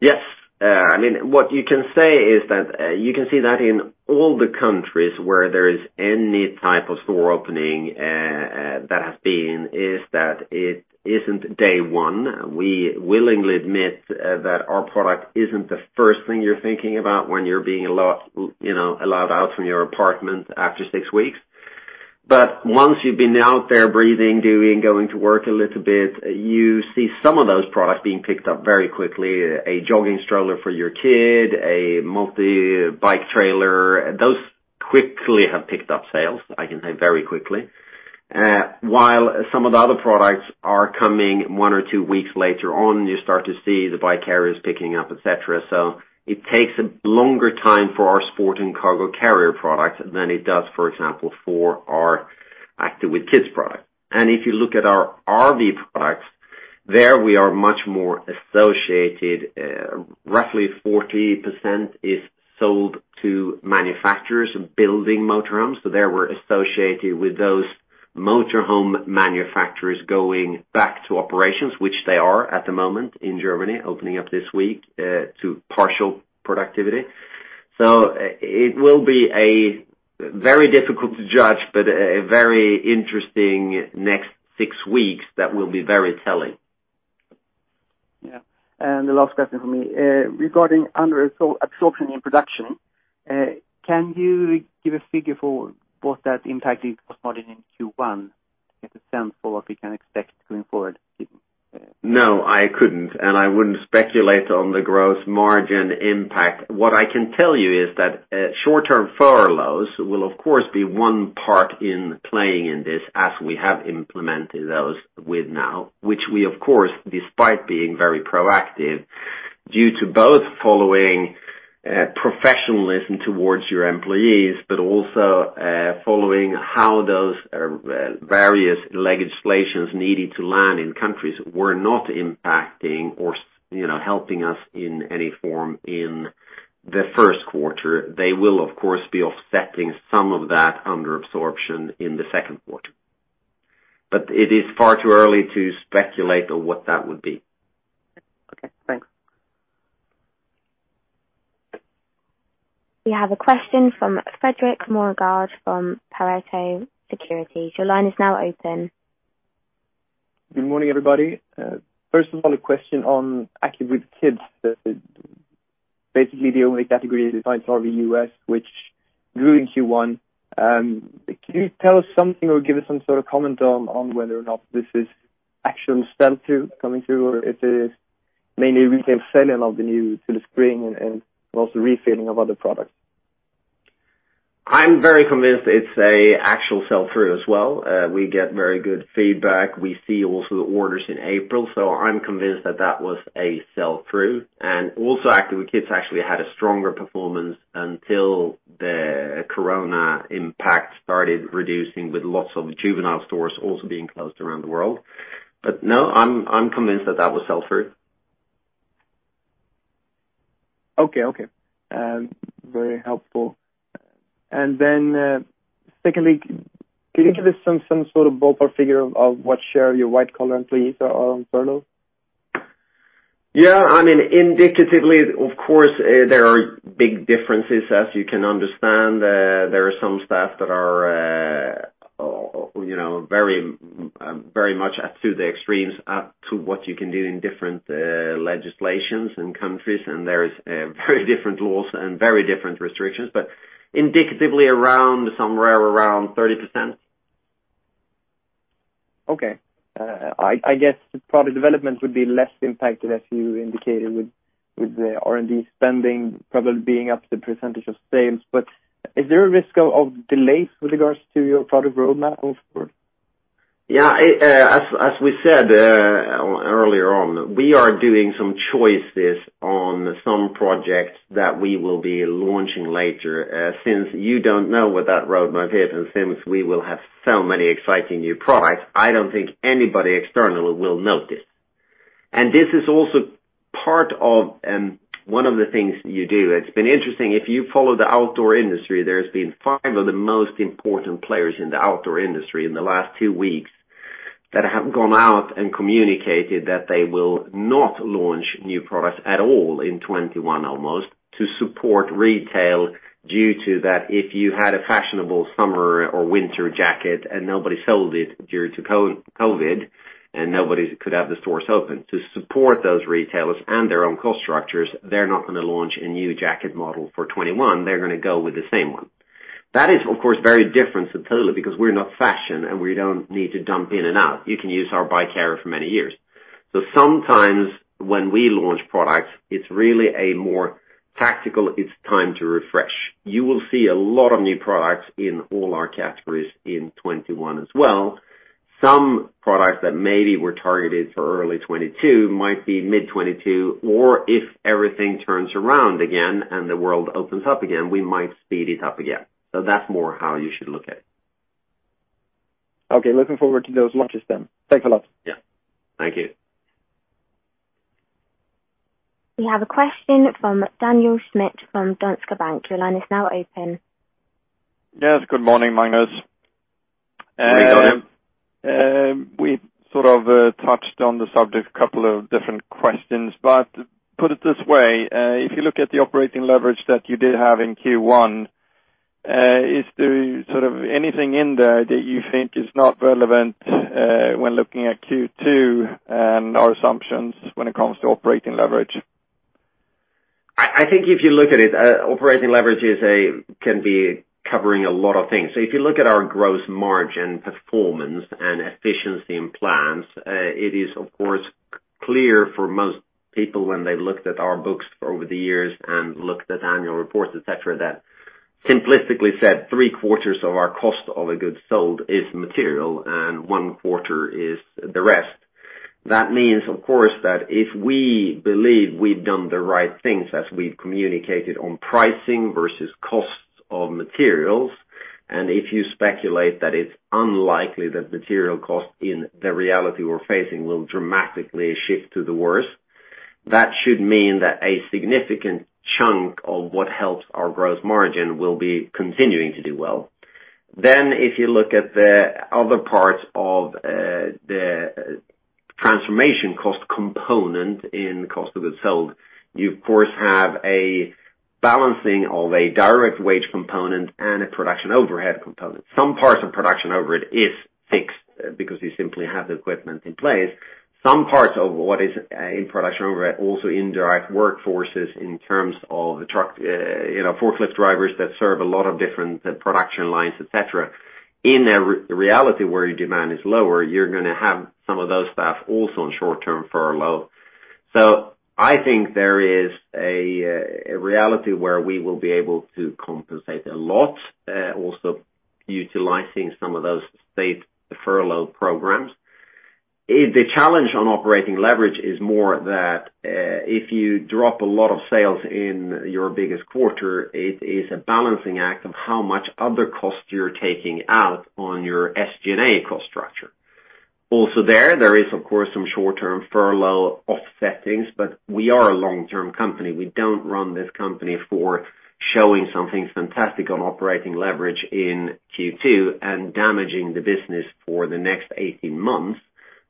[SPEAKER 2] Yes. What you can say is that you can see that in all the countries where there is any type of store opening that has been made, it isn't day one. We willingly admit that our product isn't the first thing you're thinking about when you're being allowed out from your apartment after six weeks. Once you've been out there breathing, doing, and going to work a little bit, you see some of those products being picked up very quickly, like a jogging stroller for your kid or a multi-bike trailer. Those quickly have picked up sales, I can say, very quickly. While some of the other products are coming one or two weeks later on, you start to see the bike carriers picking up, et cetera. It takes a longer time for our sport and cargo carrier product than it does, for example, for our Active with Kids product. If you look at our RV Products, there we are much more associated. Roughly 40% is sold to manufacturers building motor homes. There we're associated with those motor home manufacturers going back to operations, which they are at the moment in Germany, opening up this week to partial productivity. It will be very difficult to judge, but the next six weeks will be very telling.
[SPEAKER 4] Yeah. The last question from me, regarding underabsorption in production, can you give a figure for what that impact is on gross margin in Q1 to get a sense for what we can expect going forward?
[SPEAKER 2] No, I couldn't. I wouldn't speculate on the gross margin impact. What I can tell you is that short-term furloughs will, of course, be one part in playing in this as we have implemented those now, which we, of course, despite being very proactive, due to both following professionalism towards your employees and following how those various legislations needed to land in countries were not impacting or helping us in any form in the first quarter. They will, of course, be offsetting some of that underabsorption in the second quarter. It is far too early to speculate on what that would be.
[SPEAKER 4] Okay, thanks.
[SPEAKER 1] We have a question from Fredrik Ivarsson from ABG Sundal Collier. Your line is now open.
[SPEAKER 5] Good morning, everybody. First of all, a question on Active with Kids. Basically, the only category besides RV U.S., which grew in Q1. Can you tell us something or give us some sort of comment on whether or not this is actual sell-through coming through, or if it is mainly retail selling of the new Thule Spring and also refilling of other products?
[SPEAKER 2] I'm very convinced it's an actual sell-through as well. We get very good feedback. We see also the orders in April. I'm convinced that that was a sell-through. Also, Active with Kids actually had a stronger performance until the corona impact started reducing with lots of juvenile stores also being closed around the world. No, I'm convinced that that was sell-through.
[SPEAKER 5] Okay. Very helpful. Then secondly, can you give us some sort of ballpark figure of what share your white-collar employees are on furlough?
[SPEAKER 2] Yeah, indicatively, of course, there are big differences, as you can understand. There are some staff that are very much up to the extremes, up to what you can do in different legislations and countries. There is very different laws and very different restrictions, but indicatively somewhere around 30%.
[SPEAKER 5] Okay. I guess product development would be less impacted, as you indicated, with the R&D spending probably being up by a percentage of sales. Is there a risk of delays with regards to your product roadmap going forward?
[SPEAKER 2] As we said earlier on, we are making some choices on some projects that we will be launching later. Since you don't know what that roadmap is, and since we will have so many exciting new products, I don't think anybody externally will notice. This is also part of one of the things you do. It's been interesting. If you follow the outdoor industry, there have been five of the most important players in the outdoor industry in the last two weeks that have gone out and communicated that they will not launch new products at all in 2021 almost to support retail due to that if you had a fashionable summer or winter jacket and nobody sold it due to COVID, and nobody could have the stores open to support those retailers and their own cost structures, they're not going to launch a new jacket model for 2021. They're going to go with the same one. That is, of course, very different from Thule because we're not fashion, and we don't need to dump in and out. You can use our bike carrier for many years. Sometimes when we launch products, it's really more tactical, it's time to refresh. You will see a lot of new products in all our categories in 2021 as well. Some products that maybe were targeted for early 2022 might be for mid-2022, or if everything turns around again and the world opens up again, we might speed it up again. That's more how you should look at it.
[SPEAKER 5] Okay. Looking forward to those launches then. Thanks a lot.
[SPEAKER 2] Yeah. Thank you.
[SPEAKER 1] We have a question from Daniel Schmidt from Danske Bank. Your line is now open.
[SPEAKER 6] Yes. Good morning, Magnus.
[SPEAKER 2] Good morning.
[SPEAKER 6] We sort of touched on the subject, a couple of different questions, but put it this way: if you look at the operating leverage that you did have in Q1, is there anything in there that you think is not relevant when looking at Q2 and our assumptions when it comes to operating leverage?
[SPEAKER 2] I think if you look at it, operating leverage can be covering a lot of things. If you look at our gross margin performance and efficiency in plants, it is of course clear for most people when they looked at our books over the years and looked at annual reports, et cetera, that, simplistically said, three quarters of our cost of goods sold is material and one quarter is the rest. That means, of course, that if we believe we've done the right things as we've communicated on pricing versus costs of materials, and if you speculate that it's unlikely that material costs in the reality we're facing will dramatically shift to the worse, that should mean that a significant chunk of what helps our gross margin will be continuing to do well. If you look at the other parts of the transformation cost component in cost of goods sold, you of course have a balancing of a direct wage component and a production overhead component. Some parts of production overhead is fixed because you simply have the equipment in place. Some parts of what is in production are also indirect workforces in terms of forklift drivers that serve a lot of different production lines, et cetera. In a reality where your demand is lower, you're going to have some of those staff also on short-term furlough. I think there is a reality where we will be able to compensate a lot, also utilizing some of those state furlough programs. The challenge with operating leverage is more that, if you drop a lot of sales in your biggest quarter, it is a balancing act of how many other costs you're taking out of your SG&A cost structure. Also, there are, of course, some short-term furlough offset things, but we are a long-term company. We don't run this company for showing something fantastic on operating leverage in Q2 and damaging the business for the next 18 months.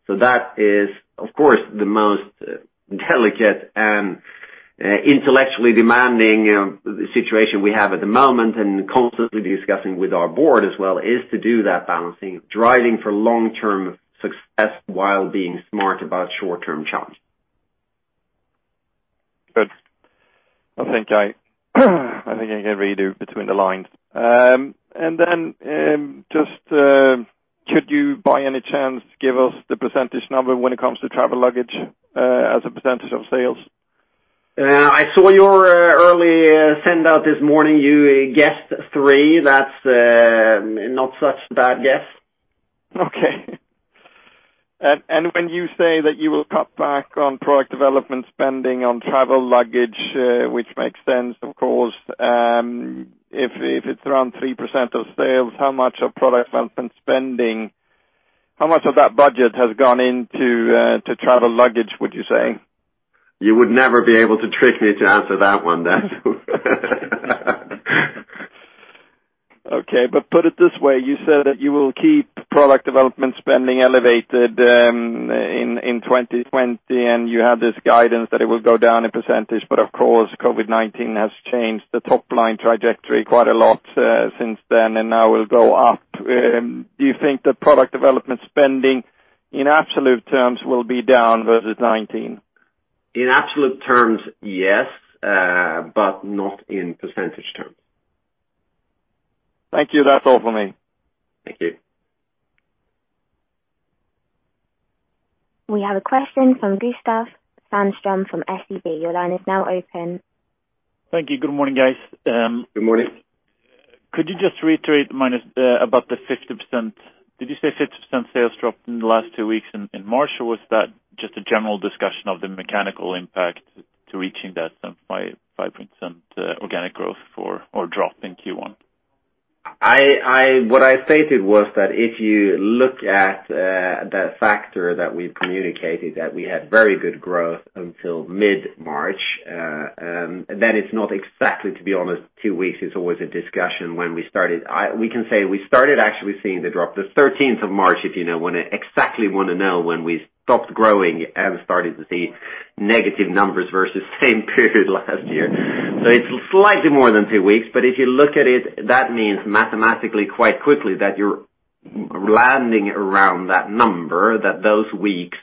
[SPEAKER 2] That is, of course, the most delicate and intellectually demanding situation we have at the moment, and constantly discussing it with our board as well is to do that balancing, driving for long-term success while being smart about short-term challenges.
[SPEAKER 6] Good. I think I can read you between the lines. Just, could you by any chance give us the percentage number when it comes to travel luggage as a percentage of sales?
[SPEAKER 2] I saw your early send-out this morning. You guessed 3%. That's not such a bad guess.
[SPEAKER 6] Okay. When you say that you will cut back on product development spending on travel luggage, which makes sense, of course, if it's around 3% of sales, how much of product development spending, how much of that budget, has gone into travel luggage, would you say?
[SPEAKER 2] You would never be able to trick me to answer that one, Dan.
[SPEAKER 6] Okay. Put it this way: you said that you will keep product development spending elevated in 2020, and you had this guidance that it will go down a percentage, but of course, COVID-19 has changed the top-line trajectory quite a lot since then and now will go up. Do you think the product development spending in absolute terms will be down versus 2019?
[SPEAKER 2] In absolute terms, yes, not in percentage terms.
[SPEAKER 6] Thank you. That's all for me.
[SPEAKER 2] Thank you.
[SPEAKER 1] We have a question from Gustav Hagéus from SEB. Your line is now open.
[SPEAKER 7] Thank you. Good morning, guys.
[SPEAKER 2] Good morning.
[SPEAKER 7] Could you just reiterate, Magnus, about the 50%? Did you say 50% of sales dropped in the last two weeks in March, or was that just a general discussion of the mechanical impact of reaching that 5% organic growth or drop in Q1?
[SPEAKER 2] What I stated was that if you look at the factor that we've communicated, that we had very good growth until mid-March, then it's not exactly, to be honest, two weeks is always a discussion when we started. We can say we started actually seeing the drop on the 13th March if you exactly want to know when we stopped growing and started to see negative numbers versus the same period last year. It's slightly more than two weeks, but if you look at it, that means mathematically quite quickly that you're landing around that number, that those weeks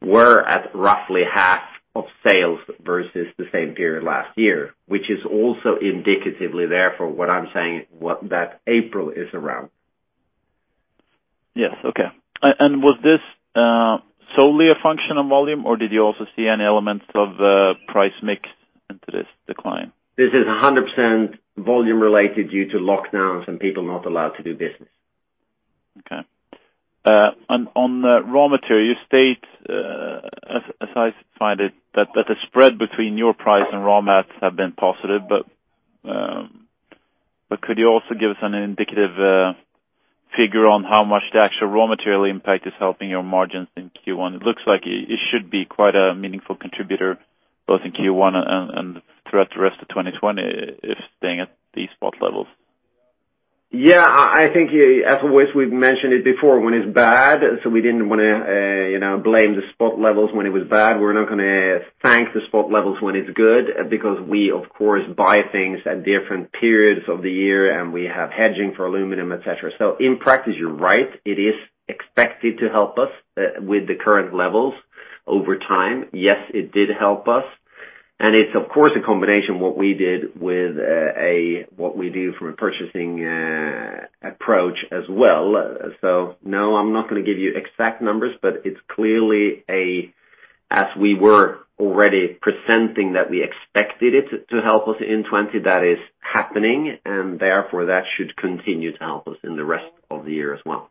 [SPEAKER 2] were at roughly half of sales versus the same period last year, which is also indicatively therefore what I'm saying, what that April is around.
[SPEAKER 7] Yes, okay. Was this solely a function of volume, or did you also see an element of price mix into this decline?
[SPEAKER 2] This is 100% volume related due to lockdowns and people not allowed to do business.
[SPEAKER 7] Okay. On raw material, you state, as I find it, that the spread between your price and raw mats has been positive. Could you also give us an indicative figure on how much the actual raw material impact is helping your margins in Q1? It looks like it should be quite a meaningful contributor both in Q1 and throughout the rest of 2020 if it stays at these spot levels.
[SPEAKER 2] Yeah, I think as always, we've mentioned it before when it's bad, so we didn't want to blame the spot levels when it was bad. We're not going to thank the spot levels when it's good because we, of course, buy things at different periods of the year, and we have hedging for aluminum, etc. In practice, you're right, it is expected to help us with the current levels over time. Yes, it did help us, and it's, of course, a combination of what we do from a purchasing approach as well. No, I'm not going to give you exact numbers, but it's clearly a success; as we were already presenting that we expected it to help us in 2020, that is happening, and therefore that should continue to help us in the rest of the year as well.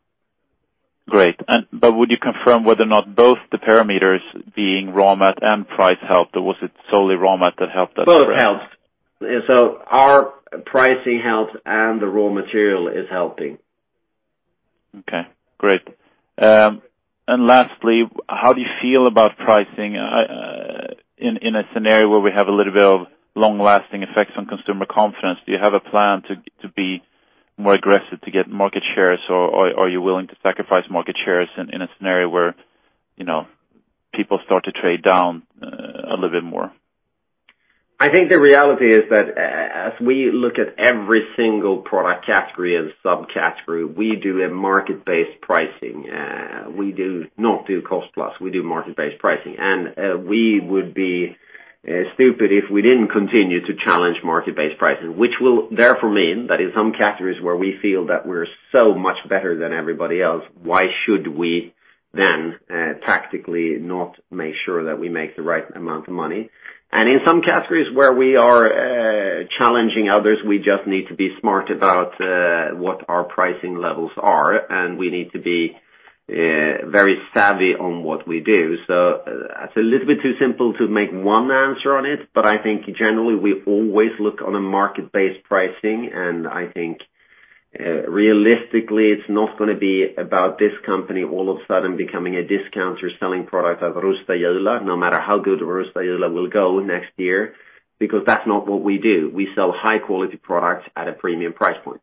[SPEAKER 7] Great. Would you confirm whether or not both the parameters of raw material and price helped, or was it solely raw material that helped that spread?
[SPEAKER 2] Both helped. Our pricing helped, and the raw material is helping.
[SPEAKER 7] Okay, great. Lastly, how do you feel about pricing? In a scenario where we have a little bit of long-lasting effects on consumer confidence, do you have a plan to be more aggressive to get market shares, or are you willing to sacrifice market shares in a scenario where people start to trade down a little bit more?
[SPEAKER 2] I think the reality is that as we look at every single product category and subcategory, we do a market-based pricing. We do not do cost plus. We do market-based pricing. We would be stupid if we didn't continue to challenge market-based pricing, which will therefore mean that in some categories where we feel that we're so much better than everybody else, why should we then tactically not make sure that we make the right amount of money? In some categories where we are challenging others, we just need to be smart about what our pricing levels are, and we need to be very savvy on what we do. It's a little bit too simple to make one answer on it, but I think generally we always look on market-based pricing, and I think realistically, it's not going to be about this company all of a sudden becoming a discounter selling products at Rusta or Jula, no matter how good Rusta or Jula will be next year. That's not what we do. We sell high-quality products at a premium price point.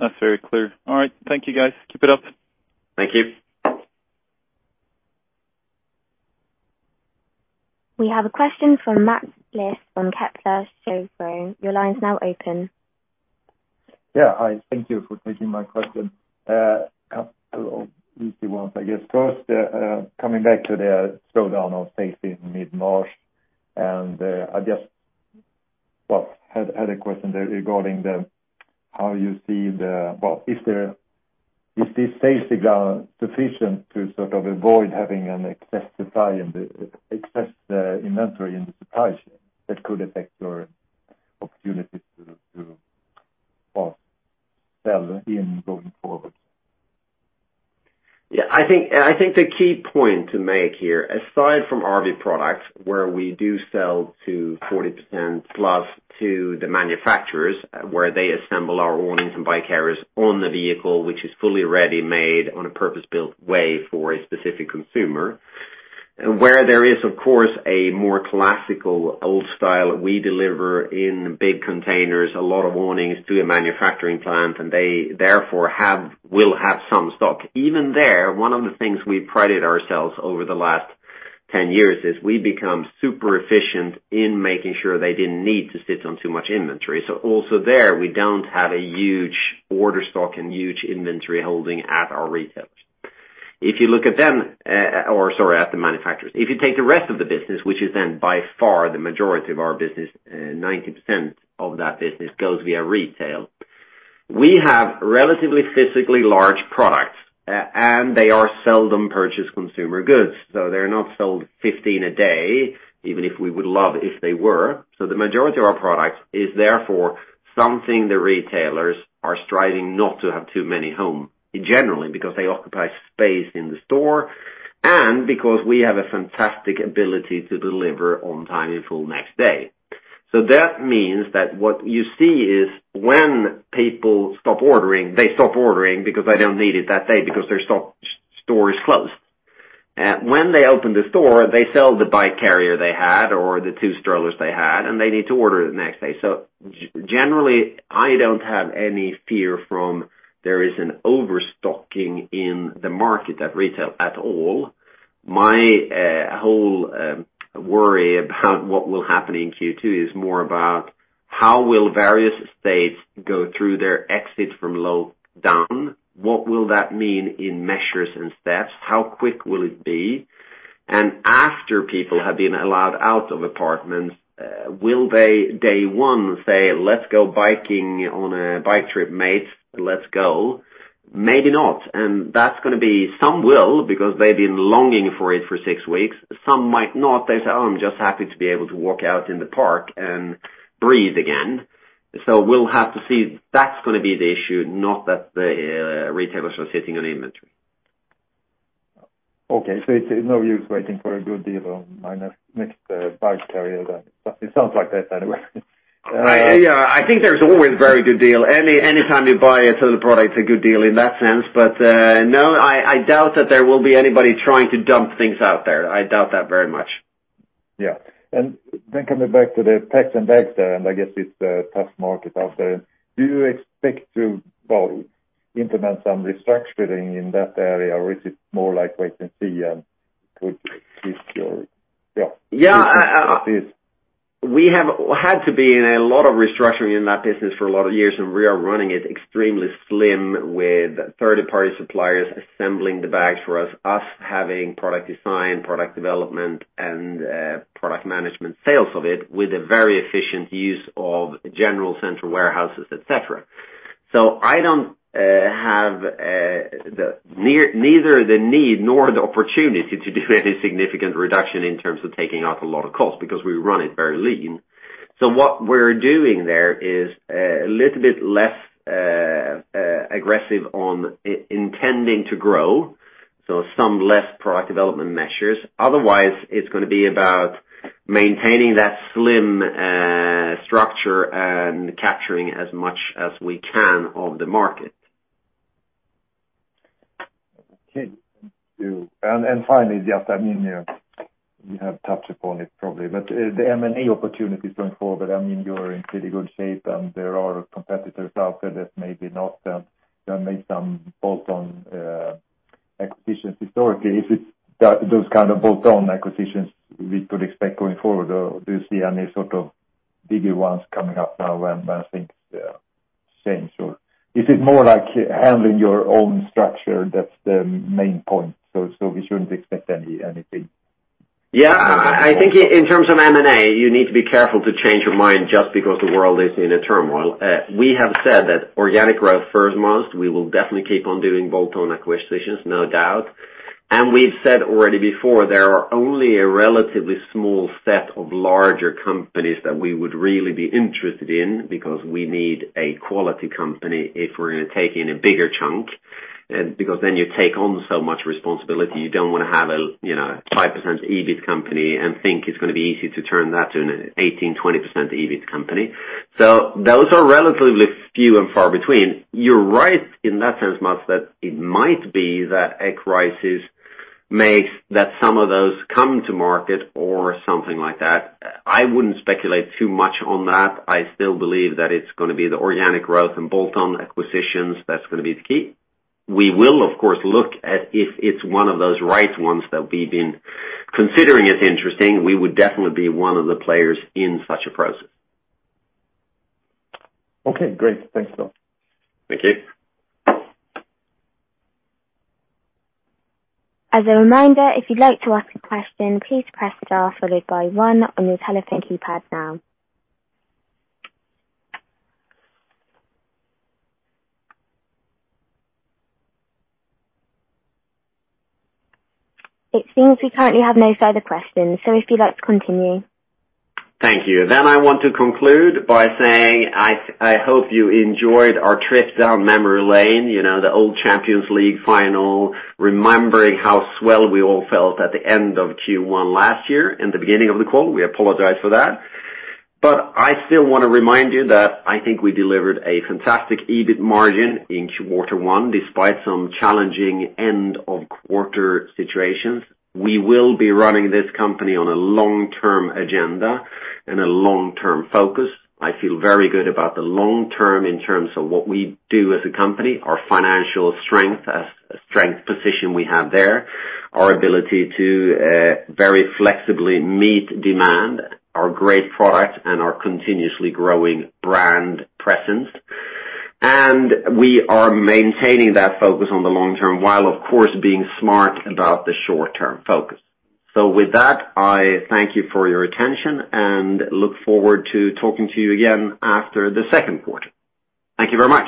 [SPEAKER 7] That's very clear. All right. Thank you, guys. Keep it up.
[SPEAKER 2] Thank you.
[SPEAKER 1] We have a question from Mats Liss from Kepler. Your line is now open.
[SPEAKER 8] Yeah, hi. Thank you for taking my question. A couple of easy ones, I guess. First, coming back to the slowdown of sales in mid-March, I just had a question there regarding how you see it. Is this [sales dial] sufficient to sort of avoid having an excess supply and excess inventory in the supply chain that could affect your opportunity to sell going forward?
[SPEAKER 2] Yeah, I think the key point to make here, aside from RV Products, where we do sell +40% to the manufacturers, where they assemble our awnings and bike carriers on the vehicle, which is fully ready-made in a purpose-built way for a specific consumer. Where there is, of course, a more classical old style, we deliver in big containers and a lot of awnings to a manufacturing plant, and they, therefore, will have some stock. Even there, one of the things we prided ourselves on over the last 10 years is that we became super efficient in making sure they didn't need to sit on too much inventory. Also there, we don't have a huge order stock and huge inventory holdings at our retailers. If you look at them, or sorry, at the manufacturers, if you take the rest of the business, which is then by far the majority of our business, 90% of that business goes via retail. We have relatively physically large products, and they are seldom purchased consumer goods, so they're not sold 15 a day, even if we would love if they were. The majority of our products is therefore something the retailers are striving not to have too many of generally because they occupy space in the store and because we have a fantastic ability to deliver on time in full the next day. That means that what you see is when people stop ordering, they stop ordering because they don't need it that day because their store is closed. When they open the store, they sell the bike carrier they had or the two strollers they had, and they need to order the next day. Generally, I don't have any fear from there is an overstocking in the market at retail at all. My whole worry about what will happen in Q2 is more about how various states will go through their exit from lockdown. What will that mean in measures and steps? How quick will it be? After people have been allowed out of apartments, will they on day one say, Let's go biking on a bike trip, mate? Let's go? Maybe not. Some will, because they've been longing for it for six weeks. Some might not. They say, Oh, I'm just happy to be able to walk out in the park and breathe again. We'll have to see. That's going to be the issue, not that the retailers are sitting on inventory.
[SPEAKER 8] Okay. It's no use waiting for a good deal on my next bike carrier then. It sounds like that, anyway.
[SPEAKER 2] Yeah. I think there's always a very good deal. Anytime you buy a Thule product, it's a good deal in that sense. No, I doubt that there will be anybody trying to dump things out there. I doubt that very much.
[SPEAKER 8] Yeah. Coming back to the Packs, Bags & Luggage there, I guess it's a tough market out there. Do you expect to, well, implement some restructuring in that area? Is it more like wait and see?
[SPEAKER 2] We have had to be in a lot of restructuring in that business for a lot of years. We are running it extremely slim with third-party suppliers assembling the bags for us, having product design, product development, and product management sales of it with a very efficient use of general central warehouses, et cetera. I don't have either the need or the opportunity to do any significant reduction in terms of taking out a lot of cost because we run it very lean. What we're doing there is a little bit less aggressive on intending to grow, so there are some less product development measures. Otherwise, it's going to be about maintaining that slim structure and capturing as much as we can of the market.
[SPEAKER 8] Okay. Thank you. Finally, you have probably touched upon it, but the M&A opportunities are going forward. You're in pretty good shape, and there are competitors out there that maybe have not made some bolt-on acquisitions historically. Are those the kinds of bolt-on acquisitions we could expect going forward? Do you see any sort of bigger ones coming up now? I think it's the same. Is it more like handling your own structure that's the main point? We shouldn't expect anything?
[SPEAKER 2] I think in terms of M&A, you need to be careful not to change your mind just because the world is in turmoil. We have said that organic growth comes first, Mats. We will definitely keep on doing bolt-on acquisitions, no doubt. We've said it already before: there are only a relatively small set of larger companies that we would really be interested in because we need a quality company if we're going to take in a bigger chunk. Because then you take on so much responsibility. You don't want to have a 5% EBIT company and think it's going to be easy to turn that into an 18% or 20% EBIT company. Those are relatively few and far between. You're right in that sense, Mats, that it might be that a crisis makes some of those come to market or something like that. I wouldn't speculate too much on that. I still believe that it's going to be the organic growth and bolt-on acquisitions that's going to be the key. We will, of course, look at if it's one of those right ones that we've been considering as interesting, we would definitely be one of the players in such a process.
[SPEAKER 8] Okay, great. Thanks, Magnus.
[SPEAKER 2] Thank you.
[SPEAKER 1] As a reminder, if you'd like to ask a question, please press star followed by one on your telephone keypad now. It seems we currently have no further questions. If you'd like to continue.
[SPEAKER 2] Thank you. I want to conclude by saying I hope you enjoyed our trip down memory lane, the old Champions League final, remembering how swell we all felt at the end of Q1 last year and the beginning of the call, we apologize for that. I still want to remind you that I think we delivered a fantastic EBIT margin in quarter one, despite some challenging end-of-quarter situations. We will be running this company on a long-term agenda and a long-term focus. I feel very good about the long term in terms of what we do as a company, our financial strength, a strong position we have there, our ability to very flexibly meet demand, our great product, and our continuously growing brand presence. We are maintaining that focus on the long term while, of course, being smart about the short-term focus. With that, I thank you for your attention and look forward to talking to you again after the second quarter. Thank you very much.